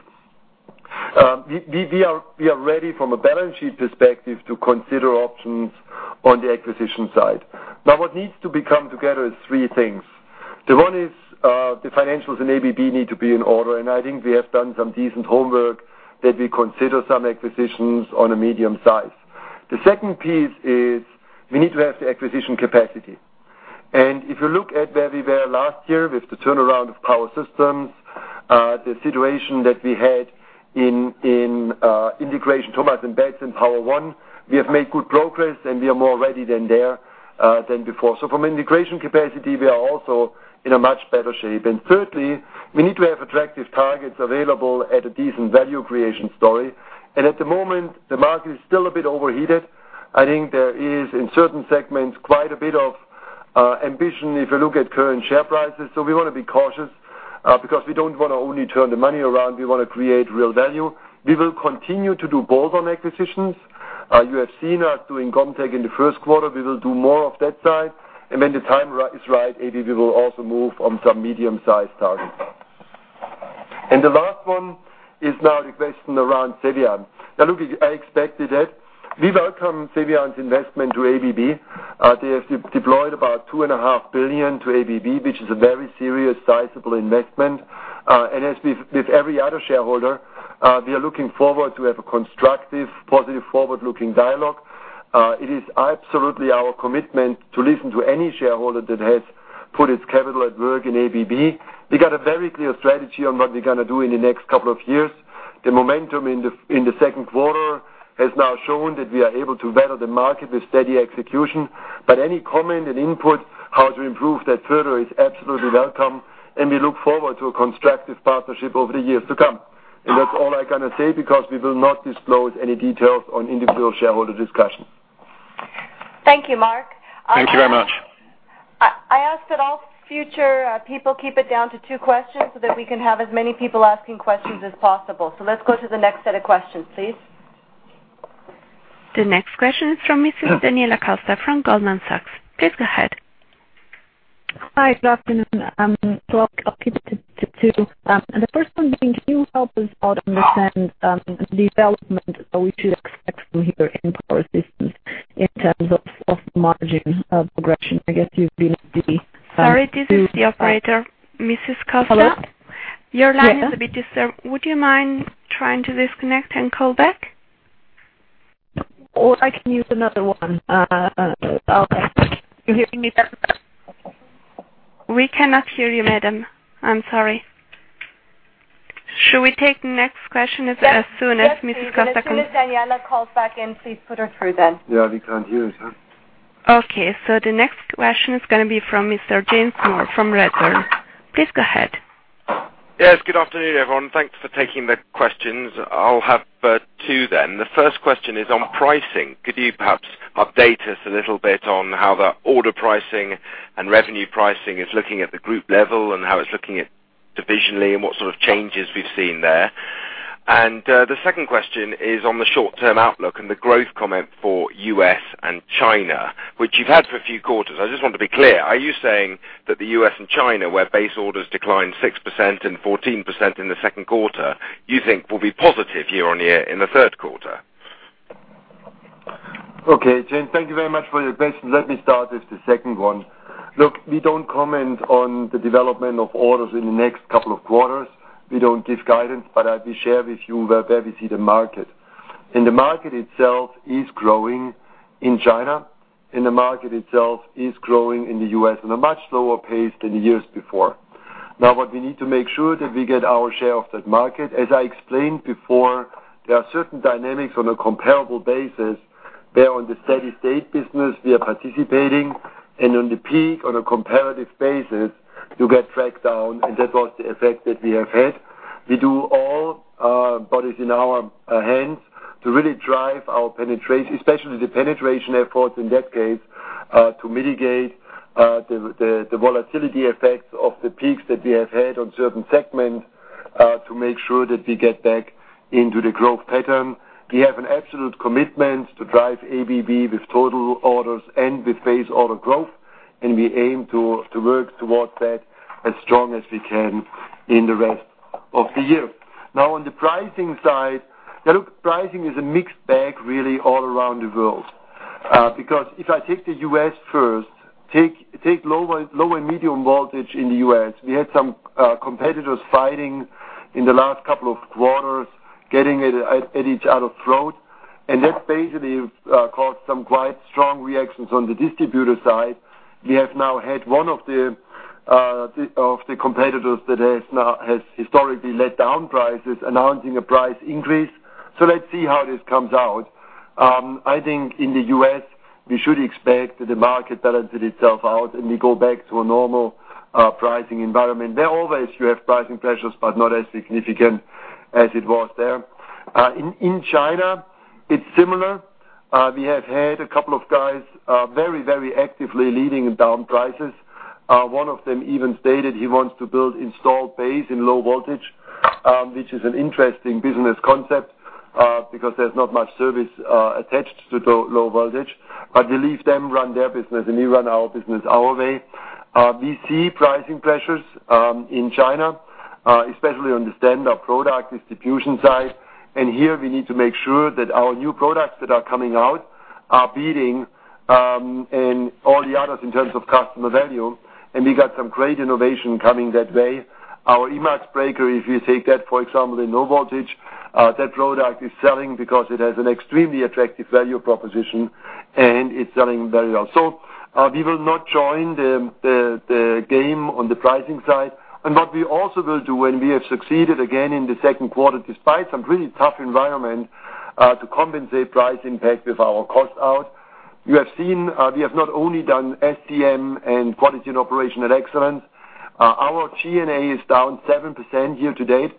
We are ready from a balance sheet perspective to consider options on the acquisition side. What needs to become together is three things. One is the financials in ABB need to be in order, and I think we have done some decent homework that we consider some acquisitions on a medium size. The second piece is we need to have the acquisition capacity. If you look at where we were last year with the turnaround of Power Systems, the situation that we had in integration, Thomas & Betts in Power-One, we have made good progress, and we are more ready than before. From integration capacity, we are also in a much better shape. Thirdly, we need to have attractive targets available at a decent value creation story. At the moment, the market is still a bit overheated. I think there is, in certain segments, quite a bit of ambition if you look at current share prices. We want to be cautious because we don't want to only turn the money around, we want to create real value. We will continue to do both on acquisitions. You have seen us doing Gomtec in the first quarter. We will do more of that side. When the time is right, ABB will also move on some medium-sized targets. The last one is now the question around Cevian. Look, I expected that. We welcome Cevian's investment to ABB. They have deployed about $2.5 billion to ABB, which is a very serious, sizable investment. As with every other shareholder, we are looking forward to have a constructive, positive, forward-looking dialogue. It is absolutely our commitment to listen to any shareholder that has put its capital at work in ABB. We got a very clear strategy on what we're going to do in the next couple of years. The momentum in the second quarter has now shown that we are able to weather the market with steady execution. Any comment and input, how to improve that further is absolutely welcome, and we look forward to a constructive partnership over the years to come. That's all I'm going to say because we will not disclose any details on individual shareholder discussions. Thank you, Mark. Thank you very much. I ask that all future people keep it down to two questions so that we can have as many people asking questions as possible. Let's go to the next set of questions, please. The next question is from Miss Daniela Costa from Goldman Sachs. Please go ahead. Hi, good afternoon. I'll keep it to two. The first one being, can you help us understand the development which you expect from here in Power Systems in terms of margin progression? I guess you've been at the- Sorry, this is the operator. Mrs. Costa? Your line is a bit disturbed. Would you mind trying to disconnect and call back? I can use another one. Okay. You hearing me better now? We cannot hear you, madam. I'm sorry. Should we take the next question as soon as Mrs. Costa can? Yes, please. As soon as Daniela calls back in, please put her through then. Yeah, we can't hear her. Okay, the next question is going to be from Mr. James Moore from Redburn. Please go ahead. Yes. Good afternoon, everyone. Thanks for taking the questions. I'll have two then. The first question is on pricing. Could you perhaps update us a little bit on how the order pricing and revenue pricing is looking at the group level and how it's looking divisionally and what sort of changes we've seen there? The second question is on the short-term outlook and the growth comment for U.S. and China, which you've had for a few quarters. I just want to be clear, are you saying that the U.S. and China, where base orders declined 6% and 14% in the second quarter, you think will be positive year-on-year in the third quarter? Okay, James, thank you very much for your questions. Let me start with the second one. Look, we don't comment on the development of orders in the next couple of quarters. We don't give guidance, I'll be sharing with you where we see the market. The market itself is growing in China, and the market itself is growing in the U.S. on a much slower pace than the years before. What we need to make sure that we get our share of that market. As I explained before, there are certain dynamics on a comparable basis where on the steady state business we are participating, and on the peak, on a comparative basis, you get dragged down, and that was the effect that we have had. We do all that is in our hands to really drive our penetration, especially the penetration efforts in that case, to mitigate the volatility effects of the peaks that we have had on certain segments, to make sure that we get back into the growth pattern. We have an absolute commitment to drive ABB with total orders and with base order growth, and we aim to work towards that as strong as we can in the rest of the year. On the pricing side, pricing is a mixed bag, really all around the world. If I take the U.S. first, take low and medium voltage in the U.S., we had some competitors fighting in the last couple of quarters, getting at each other's throat, and that basically caused some quite strong reactions on the distributor side. We have now had one of the competitors that has historically led down prices, announcing a price increase. Let's see how this comes out. I think in the U.S., we should expect that the market balances itself out, and we go back to a normal pricing environment. There always you have pricing pressures, but not as significant as it was there. In China, it's similar. We have had a couple of guys very actively leading down prices. One of them even stated he wants to build installed base in low voltage, which is an interesting business concept, there's not much service attached to low voltage. We leave them run their business, and we run our business our way. We see pricing pressures in China, especially on the standard product distribution side. Here we need to make sure that our new products that are coming out are beating all the others in terms of customer value, and we got some great innovation coming that way. Our Emax breaker, if you take that, for example, in low voltage, that product is selling because it has an extremely attractive value proposition, and it's selling very well. We will not join the game on the pricing side. What we also will do, and we have succeeded again in the second quarter, despite some really tough environment, to compensate price impact with our cost out. You have seen we have not only done SCM and quality and operational excellence. Our G&A is down 7% year to date,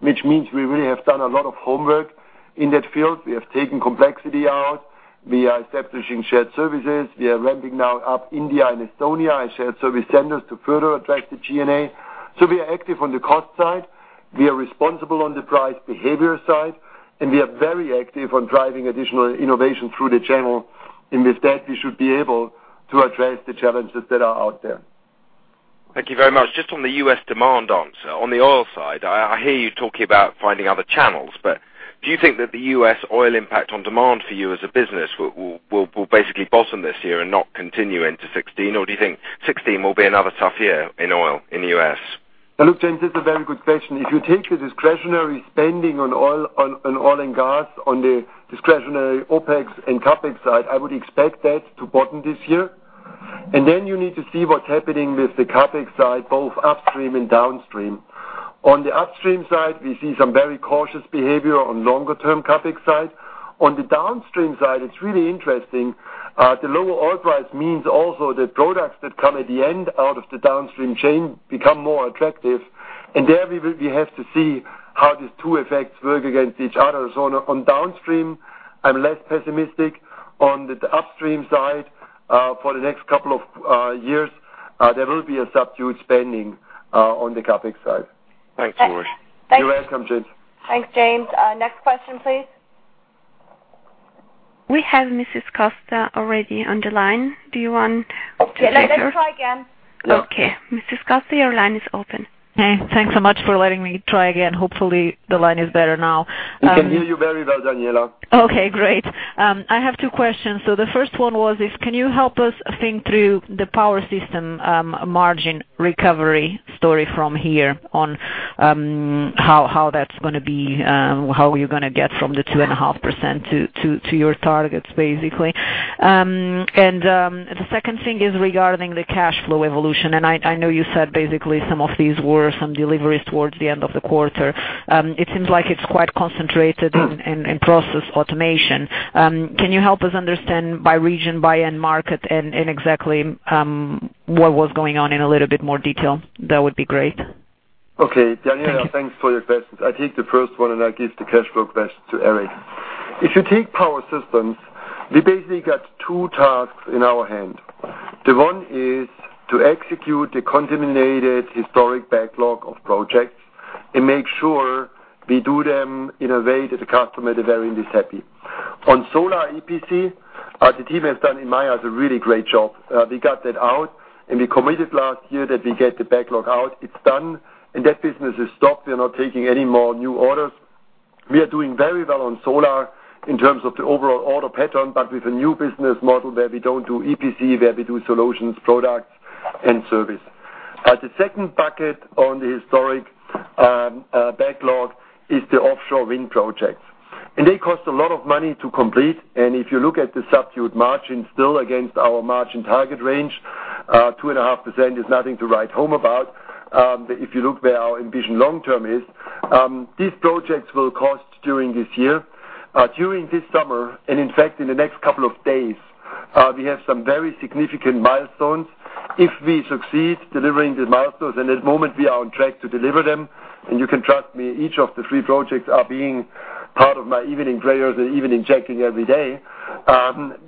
which means we really have done a lot of homework in that field. We have taken complexity out. We are establishing shared services. We are ramping now up India and Estonia as shared service centers to further address the G&A. We are active on the cost side, we are responsible on the price behavior side, and we are very active on driving additional innovation through the channel. With that, we should be able to address the challenges that are out there. Thank you very much. Just on the U.S. demand answer. On the oil side, I hear you talking about finding other channels, but do you think that the U.S. oil impact on demand for you as a business will basically bottom this year and not continue into 2016, or do you think 2016 will be another tough year in oil in the U.S.? Look, James, it's a very good question. If you take the discretionary spending on oil and gas on the discretionary OpEx and CapEx side, I would expect that to bottom this year. Then you need to see what's happening with the CapEx side, both upstream and downstream. On the upstream side, we see some very cautious behavior on longer-term CapEx side. On the downstream side, it's really interesting. The lower oil price means also that products that come at the end out of the downstream chain become more attractive, and there we have to see how these two effects work against each other. On downstream, I'm less pessimistic. On the upstream side, for the next couple of years, there will be a subdued spending on the CapEx side. Thanks, Ulrich. You're welcome, James. Thanks, James. Next question, please. We have Mrs. Costa already on the line. Do you want to take her? Yeah, let's try again. Okay. Mrs. Costa, your line is open. Hey, thanks so much for letting me try again. Hopefully, the line is better now. We can hear you very well, Daniela. Okay, great. I have two questions. The first one was, can you help us think through the Power Systems margin recovery story from here on how that's going to be, how you're going to get from the 2.5% to your targets, basically. The second thing is regarding the cash flow evolution, and I know you said basically some of these were some deliveries towards the end of the quarter. It seems like it's quite concentrated in Process Automation. Can you help us understand by region, by end market, and exactly what was going on in a little bit more detail? That would be great. Okay. Thank you. Daniela, thanks for your questions. I take the first one, and I give the cash flow question to Eric. If you take Power Systems, we basically got two tasks in our hand. The one is to execute the contaminated historic backlog of projects and make sure we do them in a way that the customer at the very end is happy. On solar EPC, the team has done, in my eyes, a really great job. We got that out, and we committed last year that we get the backlog out. It's done, and that business is stopped. We are not taking any more new orders. We are doing very well on solar in terms of the overall order pattern, but with a new business model where we don't do EPC, where we do solutions, products, and service. The second bucket on the historic backlog is the offshore wind projects. They cost a lot of money to complete, and if you look at the substitute margin still against our margin target range, 2.5% is nothing to write home about if you look where our envision long term is. These projects will cost during this year. During this summer, and in fact, in the next couple of days, we have some very significant milestones. If we succeed delivering the milestones, and at the moment we are on track to deliver them, and you can trust me, each of the three projects are being part of my evening prayers and evening checking every day.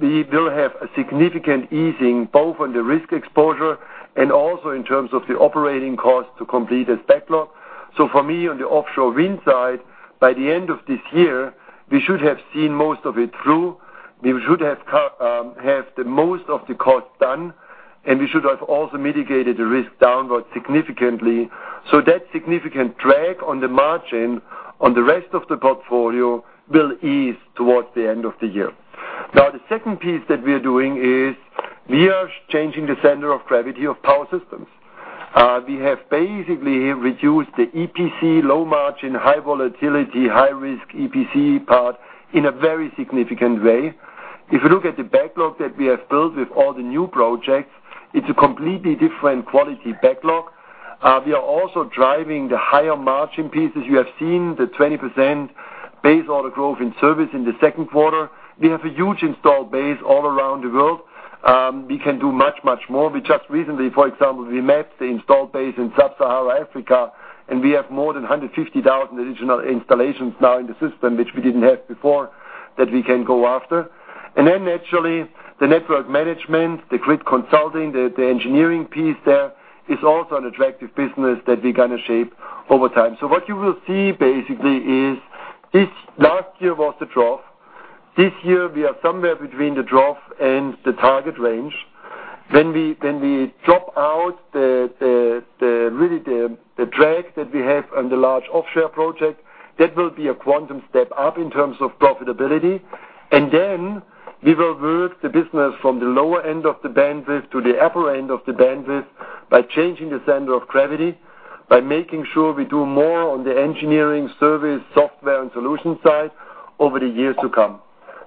We will have a significant easing both on the risk exposure and also in terms of the operating cost to complete this backlog. For me, on the offshore wind side, by the end of this year, we should have seen most of it through. We should have the most of the cost done, and we should have also mitigated the risk downward significantly. That significant drag on the margin on the rest of the portfolio will ease towards the end of the year. The second piece that we are doing is we are changing the center of gravity of Power Systems. We have basically reduced the EPC low margin, high volatility, high risk EPC part in a very significant way. If you look at the backlog that we have built with all the new projects, it's a completely different quality backlog. We are also driving the higher margin pieces. You have seen the 20% base order growth in service in the second quarter. We have a huge installed base all around the world. We can do much, much more. We just recently, for example, we mapped the installed base in sub-Saharan Africa, and we have more than 150,000 additional installations now in the system, which we didn't have before, that we can go after. Naturally, the network management, the grid consulting, the engineering piece there is also an attractive business that we're going to shape over time. What you will see basically is last year was the trough. This year we are somewhere between the trough and the target range. When we drop out really the drag that we have on the large offshore project, that will be a quantum step up in terms of profitability. We will work the business from the lower end of the bandwidth to the upper end of the bandwidth by changing the center of gravity, by making sure we do more on the engineering, service, software, and solution side over the years to come.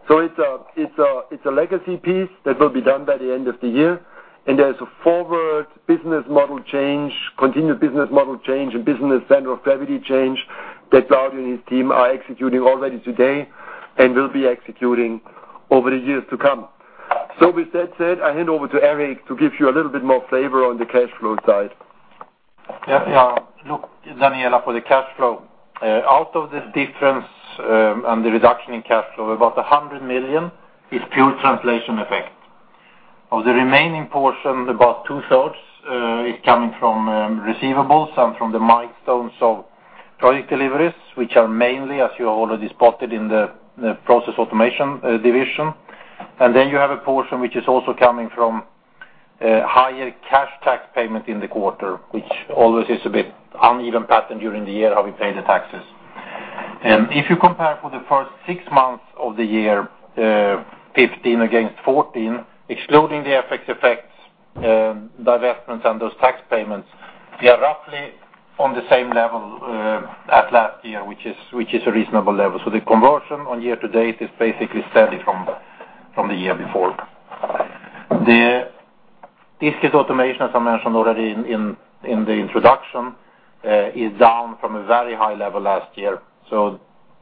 It's a legacy piece that will be done by the end of the year, and there's a forward business model change, continued business model change, and business center of gravity change that Claudio and his team are executing already today and will be executing over the years to come. With that said, I hand over to Eric to give you a little bit more flavor on the cash flow side. Yeah. Look, Daniela, for the cash flow. Out of this difference and the reduction in cash flow, about $100 million is pure translation effect. Of the remaining portion, about two-thirds is coming from receivables and from the milestones of project deliveries, which are mainly, as you have already spotted, in the Process Automation division. You have a portion which is also coming from higher cash tax payment in the quarter, which always is a bit uneven pattern during the year, how we pay the taxes. If you compare for the first six months of the year 2015 against 2014, excluding the FX effects, divestments, and those tax payments, we are roughly on the same level as last year, which is a reasonable level. The conversion on year-to-date is basically steady from the year before. The Discrete Automation, as I mentioned already in the introduction, is down from a very high level last year.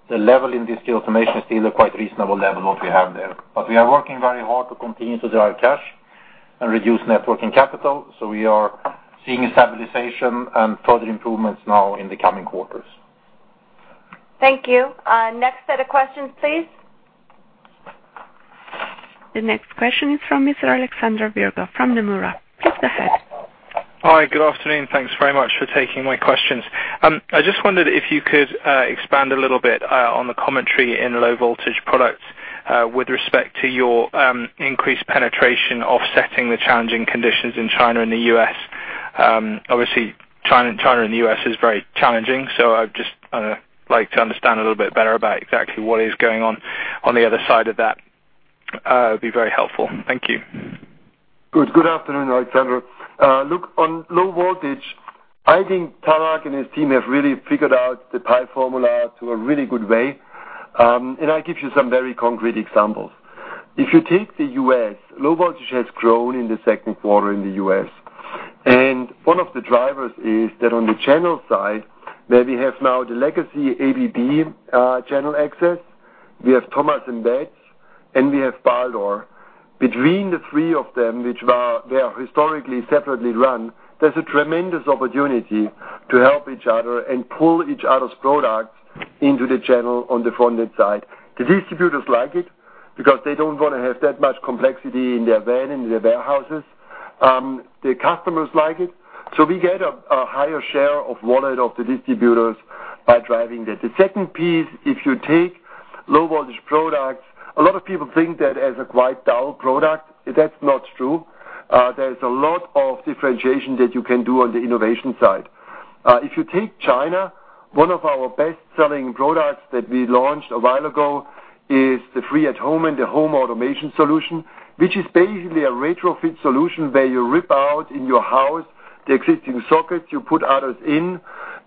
The level in Discrete Automation is still a quite reasonable level what we have there. We are working very hard to continue to drive cash and reduce net working capital. We are seeing a stabilization and further improvements now in the coming quarters. Thank you. Next set of questions, please. The next question is from Mr. Alexander Virgo from Nomura. Please go ahead. Hi. Good afternoon. Thanks very much for taking my questions. I just wondered if you could expand a little bit on the commentary in Low Voltage Products with respect to your increased penetration offsetting the challenging conditions in China and the U.S. Obviously, China and the U.S. is very challenging, so I'd just like to understand a little bit better about exactly what is going on on the other side of that. It'd be very helpful. Thank you. Good afternoon, Alexander. Look, on Low Voltage, I think Tarek and his team have really figured out the PIE formula to a really good way, I give you some very concrete examples. If you take the U.S., Low Voltage has grown in the second quarter in the U.S., and one of the drivers is that on the channel side, where we have now the legacy ABB channel access, we have Thomas & Betts, and we have Baldor. Between the three of them, which were historically separately run, there's a tremendous opportunity to help each other and pull each other's products into the channel on the front end side. The distributors like it because they don't want to have that much complexity in their van, in their warehouses. The customers like it. We get a higher share of wallet of the distributors by driving that. The second piece, if you take Low Voltage Products, a lot of people think that as a quite dull product. That's not true. There's a lot of differentiation that you can do on the innovation side. If you take China, one of our best-selling products that we launched a while ago is the Free@home and the home automation solution, which is basically a retrofit solution where you rip out in your house the existing sockets, you put others in,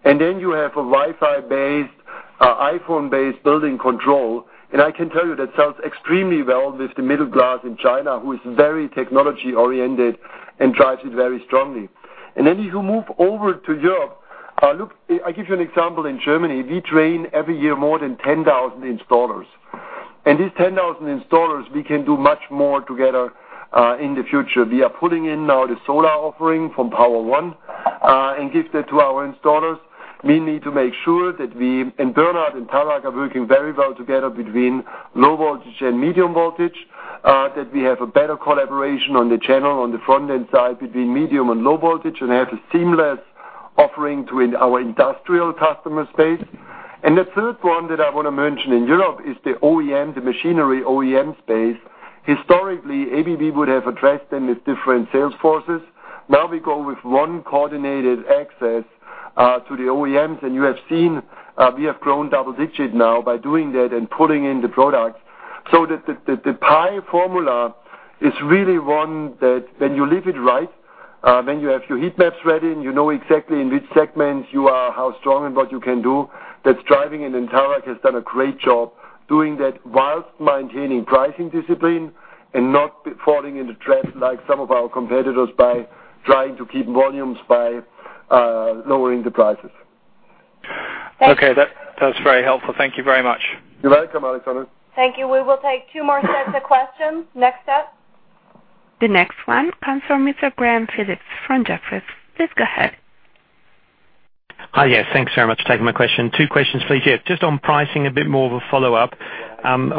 and then you have a Wi-Fi based, iPhone based building control. I can tell you that sells extremely well with the middle class in China, who is very technology oriented and drives it very strongly. If you move over to Europe, look, I give you an example in Germany. We train every year more than 10,000 installers. These 10,000 installers, we can do much more together in the future. We are pulling in now the solar offering from Power-One and give that to our installers. We need to make sure that we, and Bernard and Tarek are working very well together between low voltage and medium voltage, that we have a better collaboration on the channel on the front end side between medium and low voltage and have a seamless offering to our industrial customer space. The third one that I want to mention in Europe is the machinery OEM space. Historically, ABB would have addressed them with different sales forces. Now we go with one coordinated access to the OEMs. You have seen we have grown double digit now by doing that and pulling in the products. The PIE formula is really one that when you leave it right, when you have your heat maps ready, and you know exactly in which segments you are, how strong and what you can do, that's driving, and Tarek has done a great job doing that whilst maintaining pricing discipline and not falling into traps like some of our competitors by trying to keep volumes by lowering the prices. Okay. That's very helpful. Thank you very much. You're welcome, Alexander. Thank you. We will take two more sets of questions. Next up. The next one comes from Mr. Graham Phillips from Jefferies. Please go ahead. Hi. Yes, thanks very much for taking my question. Two questions, please. Yeah, just on pricing, a bit more of a follow-up.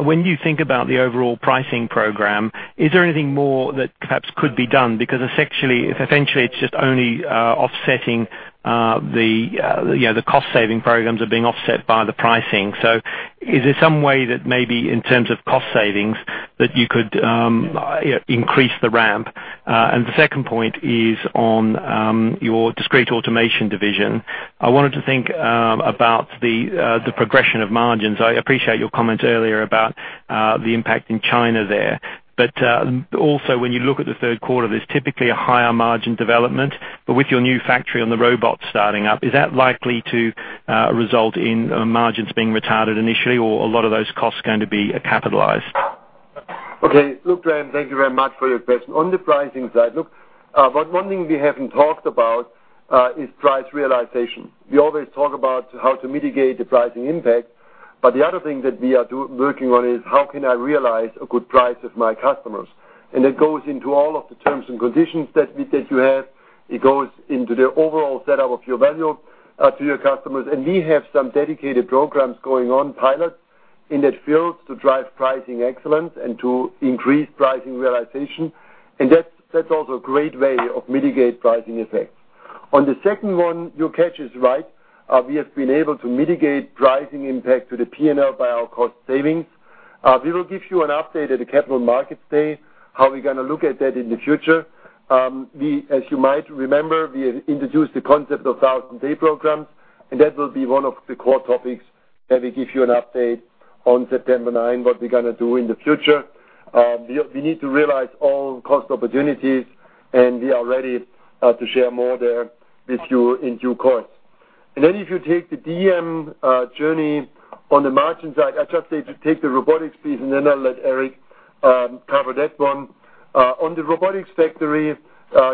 When you think about the overall pricing program, is there anything more that perhaps could be done? Essentially, it's just only offsetting the cost-saving programs are being offset by the pricing. Is there some way that maybe in terms of cost savings that you could increase the ramp? The second point is on your Discrete Automation division. I wanted to think about the progression of margins. I appreciate your comments earlier about the impact in China there. Also, when you look at the third quarter, there's typically a higher margin development. With your new factory on the robot starting up, is that likely to result in margins being retarded initially or a lot of those costs going to be capitalized? Okay. Look, Graham, thank you very much for your question. On the pricing side, look, one thing we haven't talked about is price realization. We always talk about how to mitigate the pricing impact, but the other thing that we are working on is how can I realize a good price with my customers. It goes into all of the terms and conditions that you have. It goes into the overall setup of your value to your customers. We have some dedicated programs going on pilot in that field to drive pricing excellence and to increase pricing realization. That's also a great way of mitigate pricing effects. On the second one, your catch is right. We have been able to mitigate pricing impact to the P&L by our cost savings. We will give you an update at the Capital Markets Day, how we're going to look at that in the future. As you might remember, we have introduced the concept of 1,000 day programs, and that will be one of the core topics that we give you an update on September 9, what we're going to do in the future. We need to realize all cost opportunities, and we are ready to share more there with you in due course. If you take the DM journey on the margin side, I just say to take the robotics piece, and then I'll let Eric cover that one. On the robotics factory,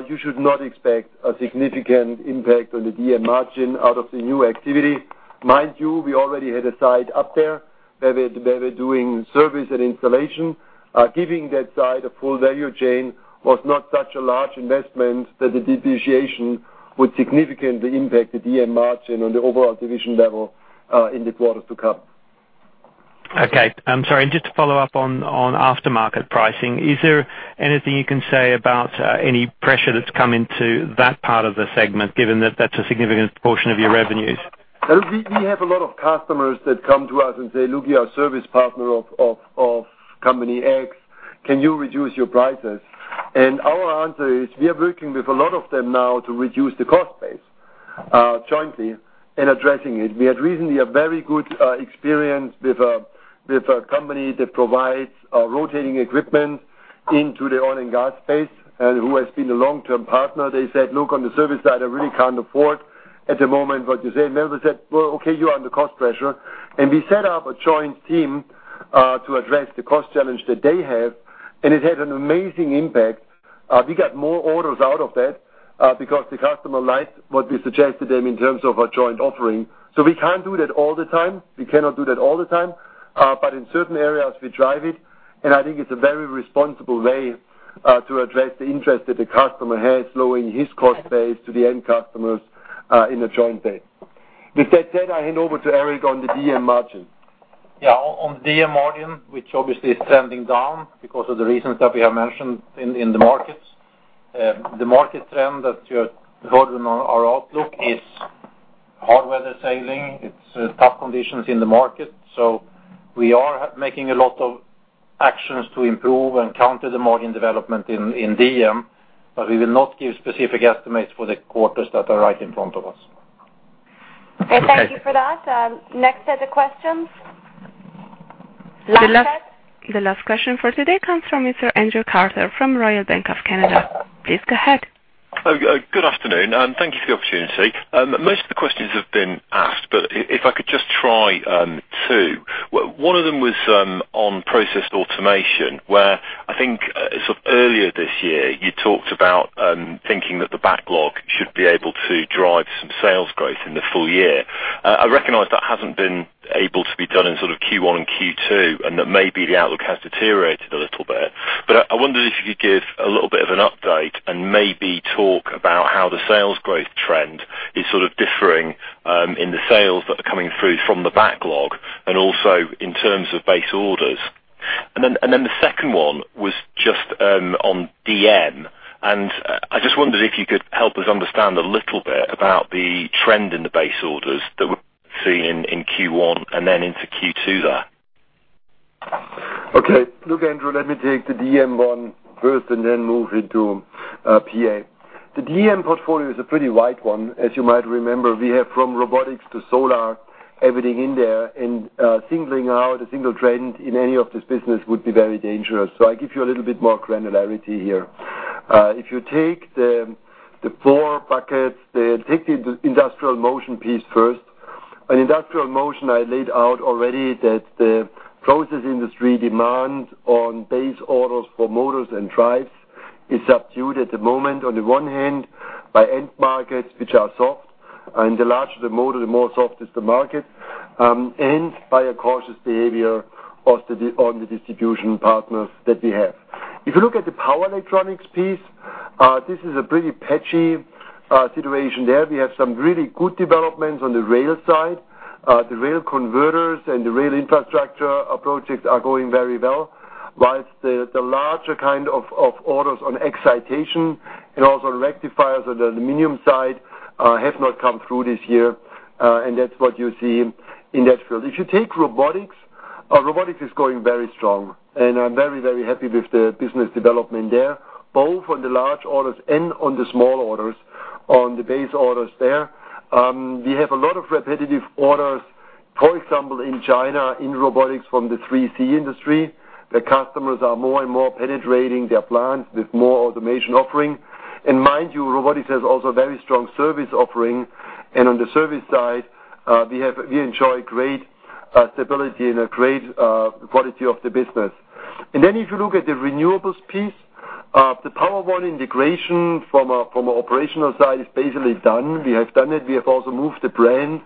you should not expect a significant impact on the DM margin out of the new activity. Mind you, we already had a site up there where we're doing service and installation. Giving that site a full value chain was not such a large investment that the depreciation would significantly impact the DM margin on the overall division level in the quarters to come. Okay. I'm sorry, just to follow up on aftermarket pricing, is there anything you can say about any pressure that's come into that part of the segment, given that that's a significant portion of your revenues? We have a lot of customers that come to us and say, "Look, you're our service partner of company X. Can you reduce your prices?" Our answer is, we are working with a lot of them now to reduce the cost base jointly and addressing it. We had recently a very good experience with a company that provides rotating equipment into the oil and gas space, and who has been a long-term partner. They said, "Look, on the service side, I really can't afford at the moment what you say." Then we said, "Well, okay, you are under cost pressure." We set up a joint team to address the cost challenge that they have, and it had an amazing impact. We got more orders out of that because the customer liked what we suggested them in terms of a joint offering. We can't do that all the time. We cannot do that all the time. But in certain areas, we drive it, and I think it's a very responsible way, to address the interest that the customer has, lowering his cost base to the end customers in a joint way. With that said, I hand over to Eric on the DM margin. Yeah. On DM margin, which obviously is trending down because of the reasons that we have mentioned in the markets. The market trend that you heard in our outlook is hard weather sailing. It is tough conditions in the market. We are making a lot of actions to improve and counter the margin development in DM, but we will not give specific estimates for the quarters that are right in front of us. Okay. Thank you for that. Next set of questions. Last set. The last question for today comes from Mr. Andrew Carter from Royal Bank of Canada. Please go ahead. Good afternoon, and thank you for the opportunity. Most of the questions have been asked, but if I could just try two. One of them was on Process Automation, where I think sort of earlier this year, you talked about thinking that the backlog should be able to drive some sales growth in the full year. I recognize that hasn't been able to be done in sort of Q1 and Q2, and that maybe the outlook has deteriorated a little bit. I wondered if you could give a little bit of an update and maybe talk about how the sales growth trend is sort of differing in the sales that are coming through from the backlog and also in terms of base orders. The second one was just on DM. I just wondered if you could help us understand a little bit about the trend in the base orders that we're seeing in Q1 and then into Q2 there. Okay. Look, Andrew, let me take the DM one first and then move into PA. The DM portfolio is a pretty wide one. As you might remember, we have from robotics to solar, everything in there. Singling out a single trend in any of this business would be very dangerous. I give you a little bit more granularity here. If you take the four buckets, take the industrial motion piece first. In industrial motion, I laid out already that the process industry demand on base orders for motors and drives is subdued at the moment, on the one hand, by end markets, which are soft, and the larger the motor, the more soft is the market, and by a cautious behavior on the distribution partners that we have. If you look at the power electronics piece, this is a pretty patchy situation there. We have some really good developments on the rail side. The rail converters and the rail infrastructure projects are going very well. Whilst the larger kind of orders on excitation and also on rectifiers on the aluminum side, have not come through this year. That's what you see in that field. If you take robotics is going very strong, and I'm very, very happy with the business development there, both on the large orders and on the small orders, on the base orders there. We have a lot of repetitive orders, for example, in China, in robotics from the 3C industry. The customers are more and more penetrating their plants with more automation offering. Mind you, robotics has also a very strong service offering. On the service side, we enjoy great stability and a great quality of the business. If you look at the renewables piece, the Power-One integration from an operational side is basically done. We have done it. We have also moved the brand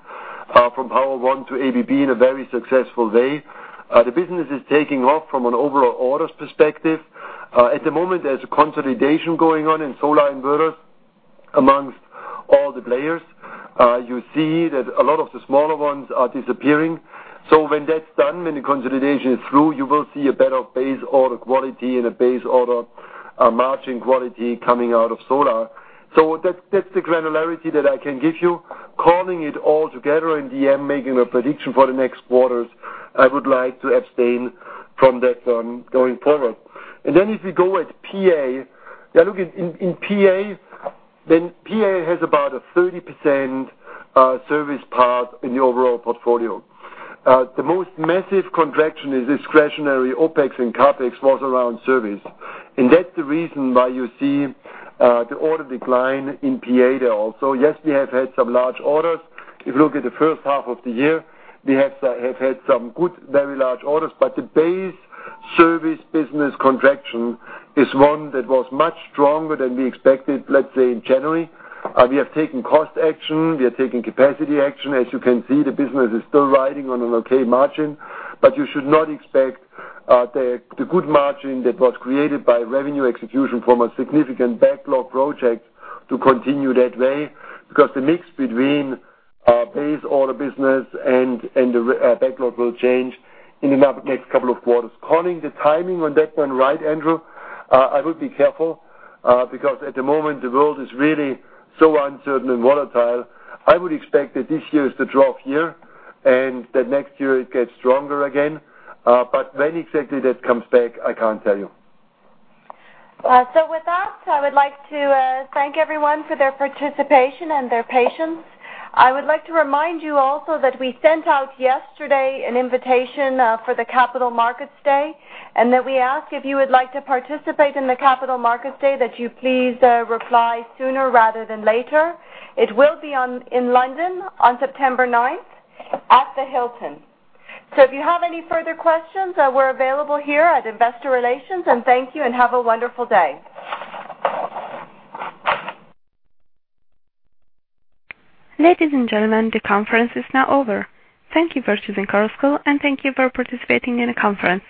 from Power-One to ABB in a very successful way. The business is taking off from an overall orders perspective. At the moment, there's a consolidation going on in solar inverters amongst all the players. You see that a lot of the smaller ones are disappearing. When that's done, when the consolidation is through, you will see a better base order quality and a base order margin quality coming out of solar. That's the granularity that I can give you. Calling it all together in DM, making a prediction for the next quarters, I would like to abstain from that going forward. If we go at PA. In PA has about a 30% service part in the overall portfolio. The most massive contraction is discretionary OpEx and CapEx was around service. That's the reason why you see the order decline in PA there also. Yes, we have had some large orders. If you look at the first half of the year, we have had some good, very large orders, the base service business contraction is one that was much stronger than we expected, let's say in January. We have taken cost action. We are taking capacity action. As you can see, the business is still riding on an okay margin, you should not expect the good margin that was created by revenue execution from a significant backlog project to continue that way because the mix between base order business and the backlog will change in the next couple of quarters. Calling the timing on that one right, Andrew, I would be careful, because at the moment, the world is really so uncertain and volatile. I would expect that this year is the drop year, next year it gets stronger again. When exactly that comes back, I can't tell you. With that, I would like to thank everyone for their participation and their patience. I would like to remind you also that we sent out yesterday an invitation for the Capital Markets Day, we ask if you would like to participate in the Capital Markets Day, that you please reply sooner rather than later. It will be in London on September 9th at the Hilton. If you have any further questions, we're available here at Investor Relations, thank you, and have a wonderful day. Ladies and gentlemen, the conference is now over. Thank you for choosing Chorus Call, thank you for participating in the conference.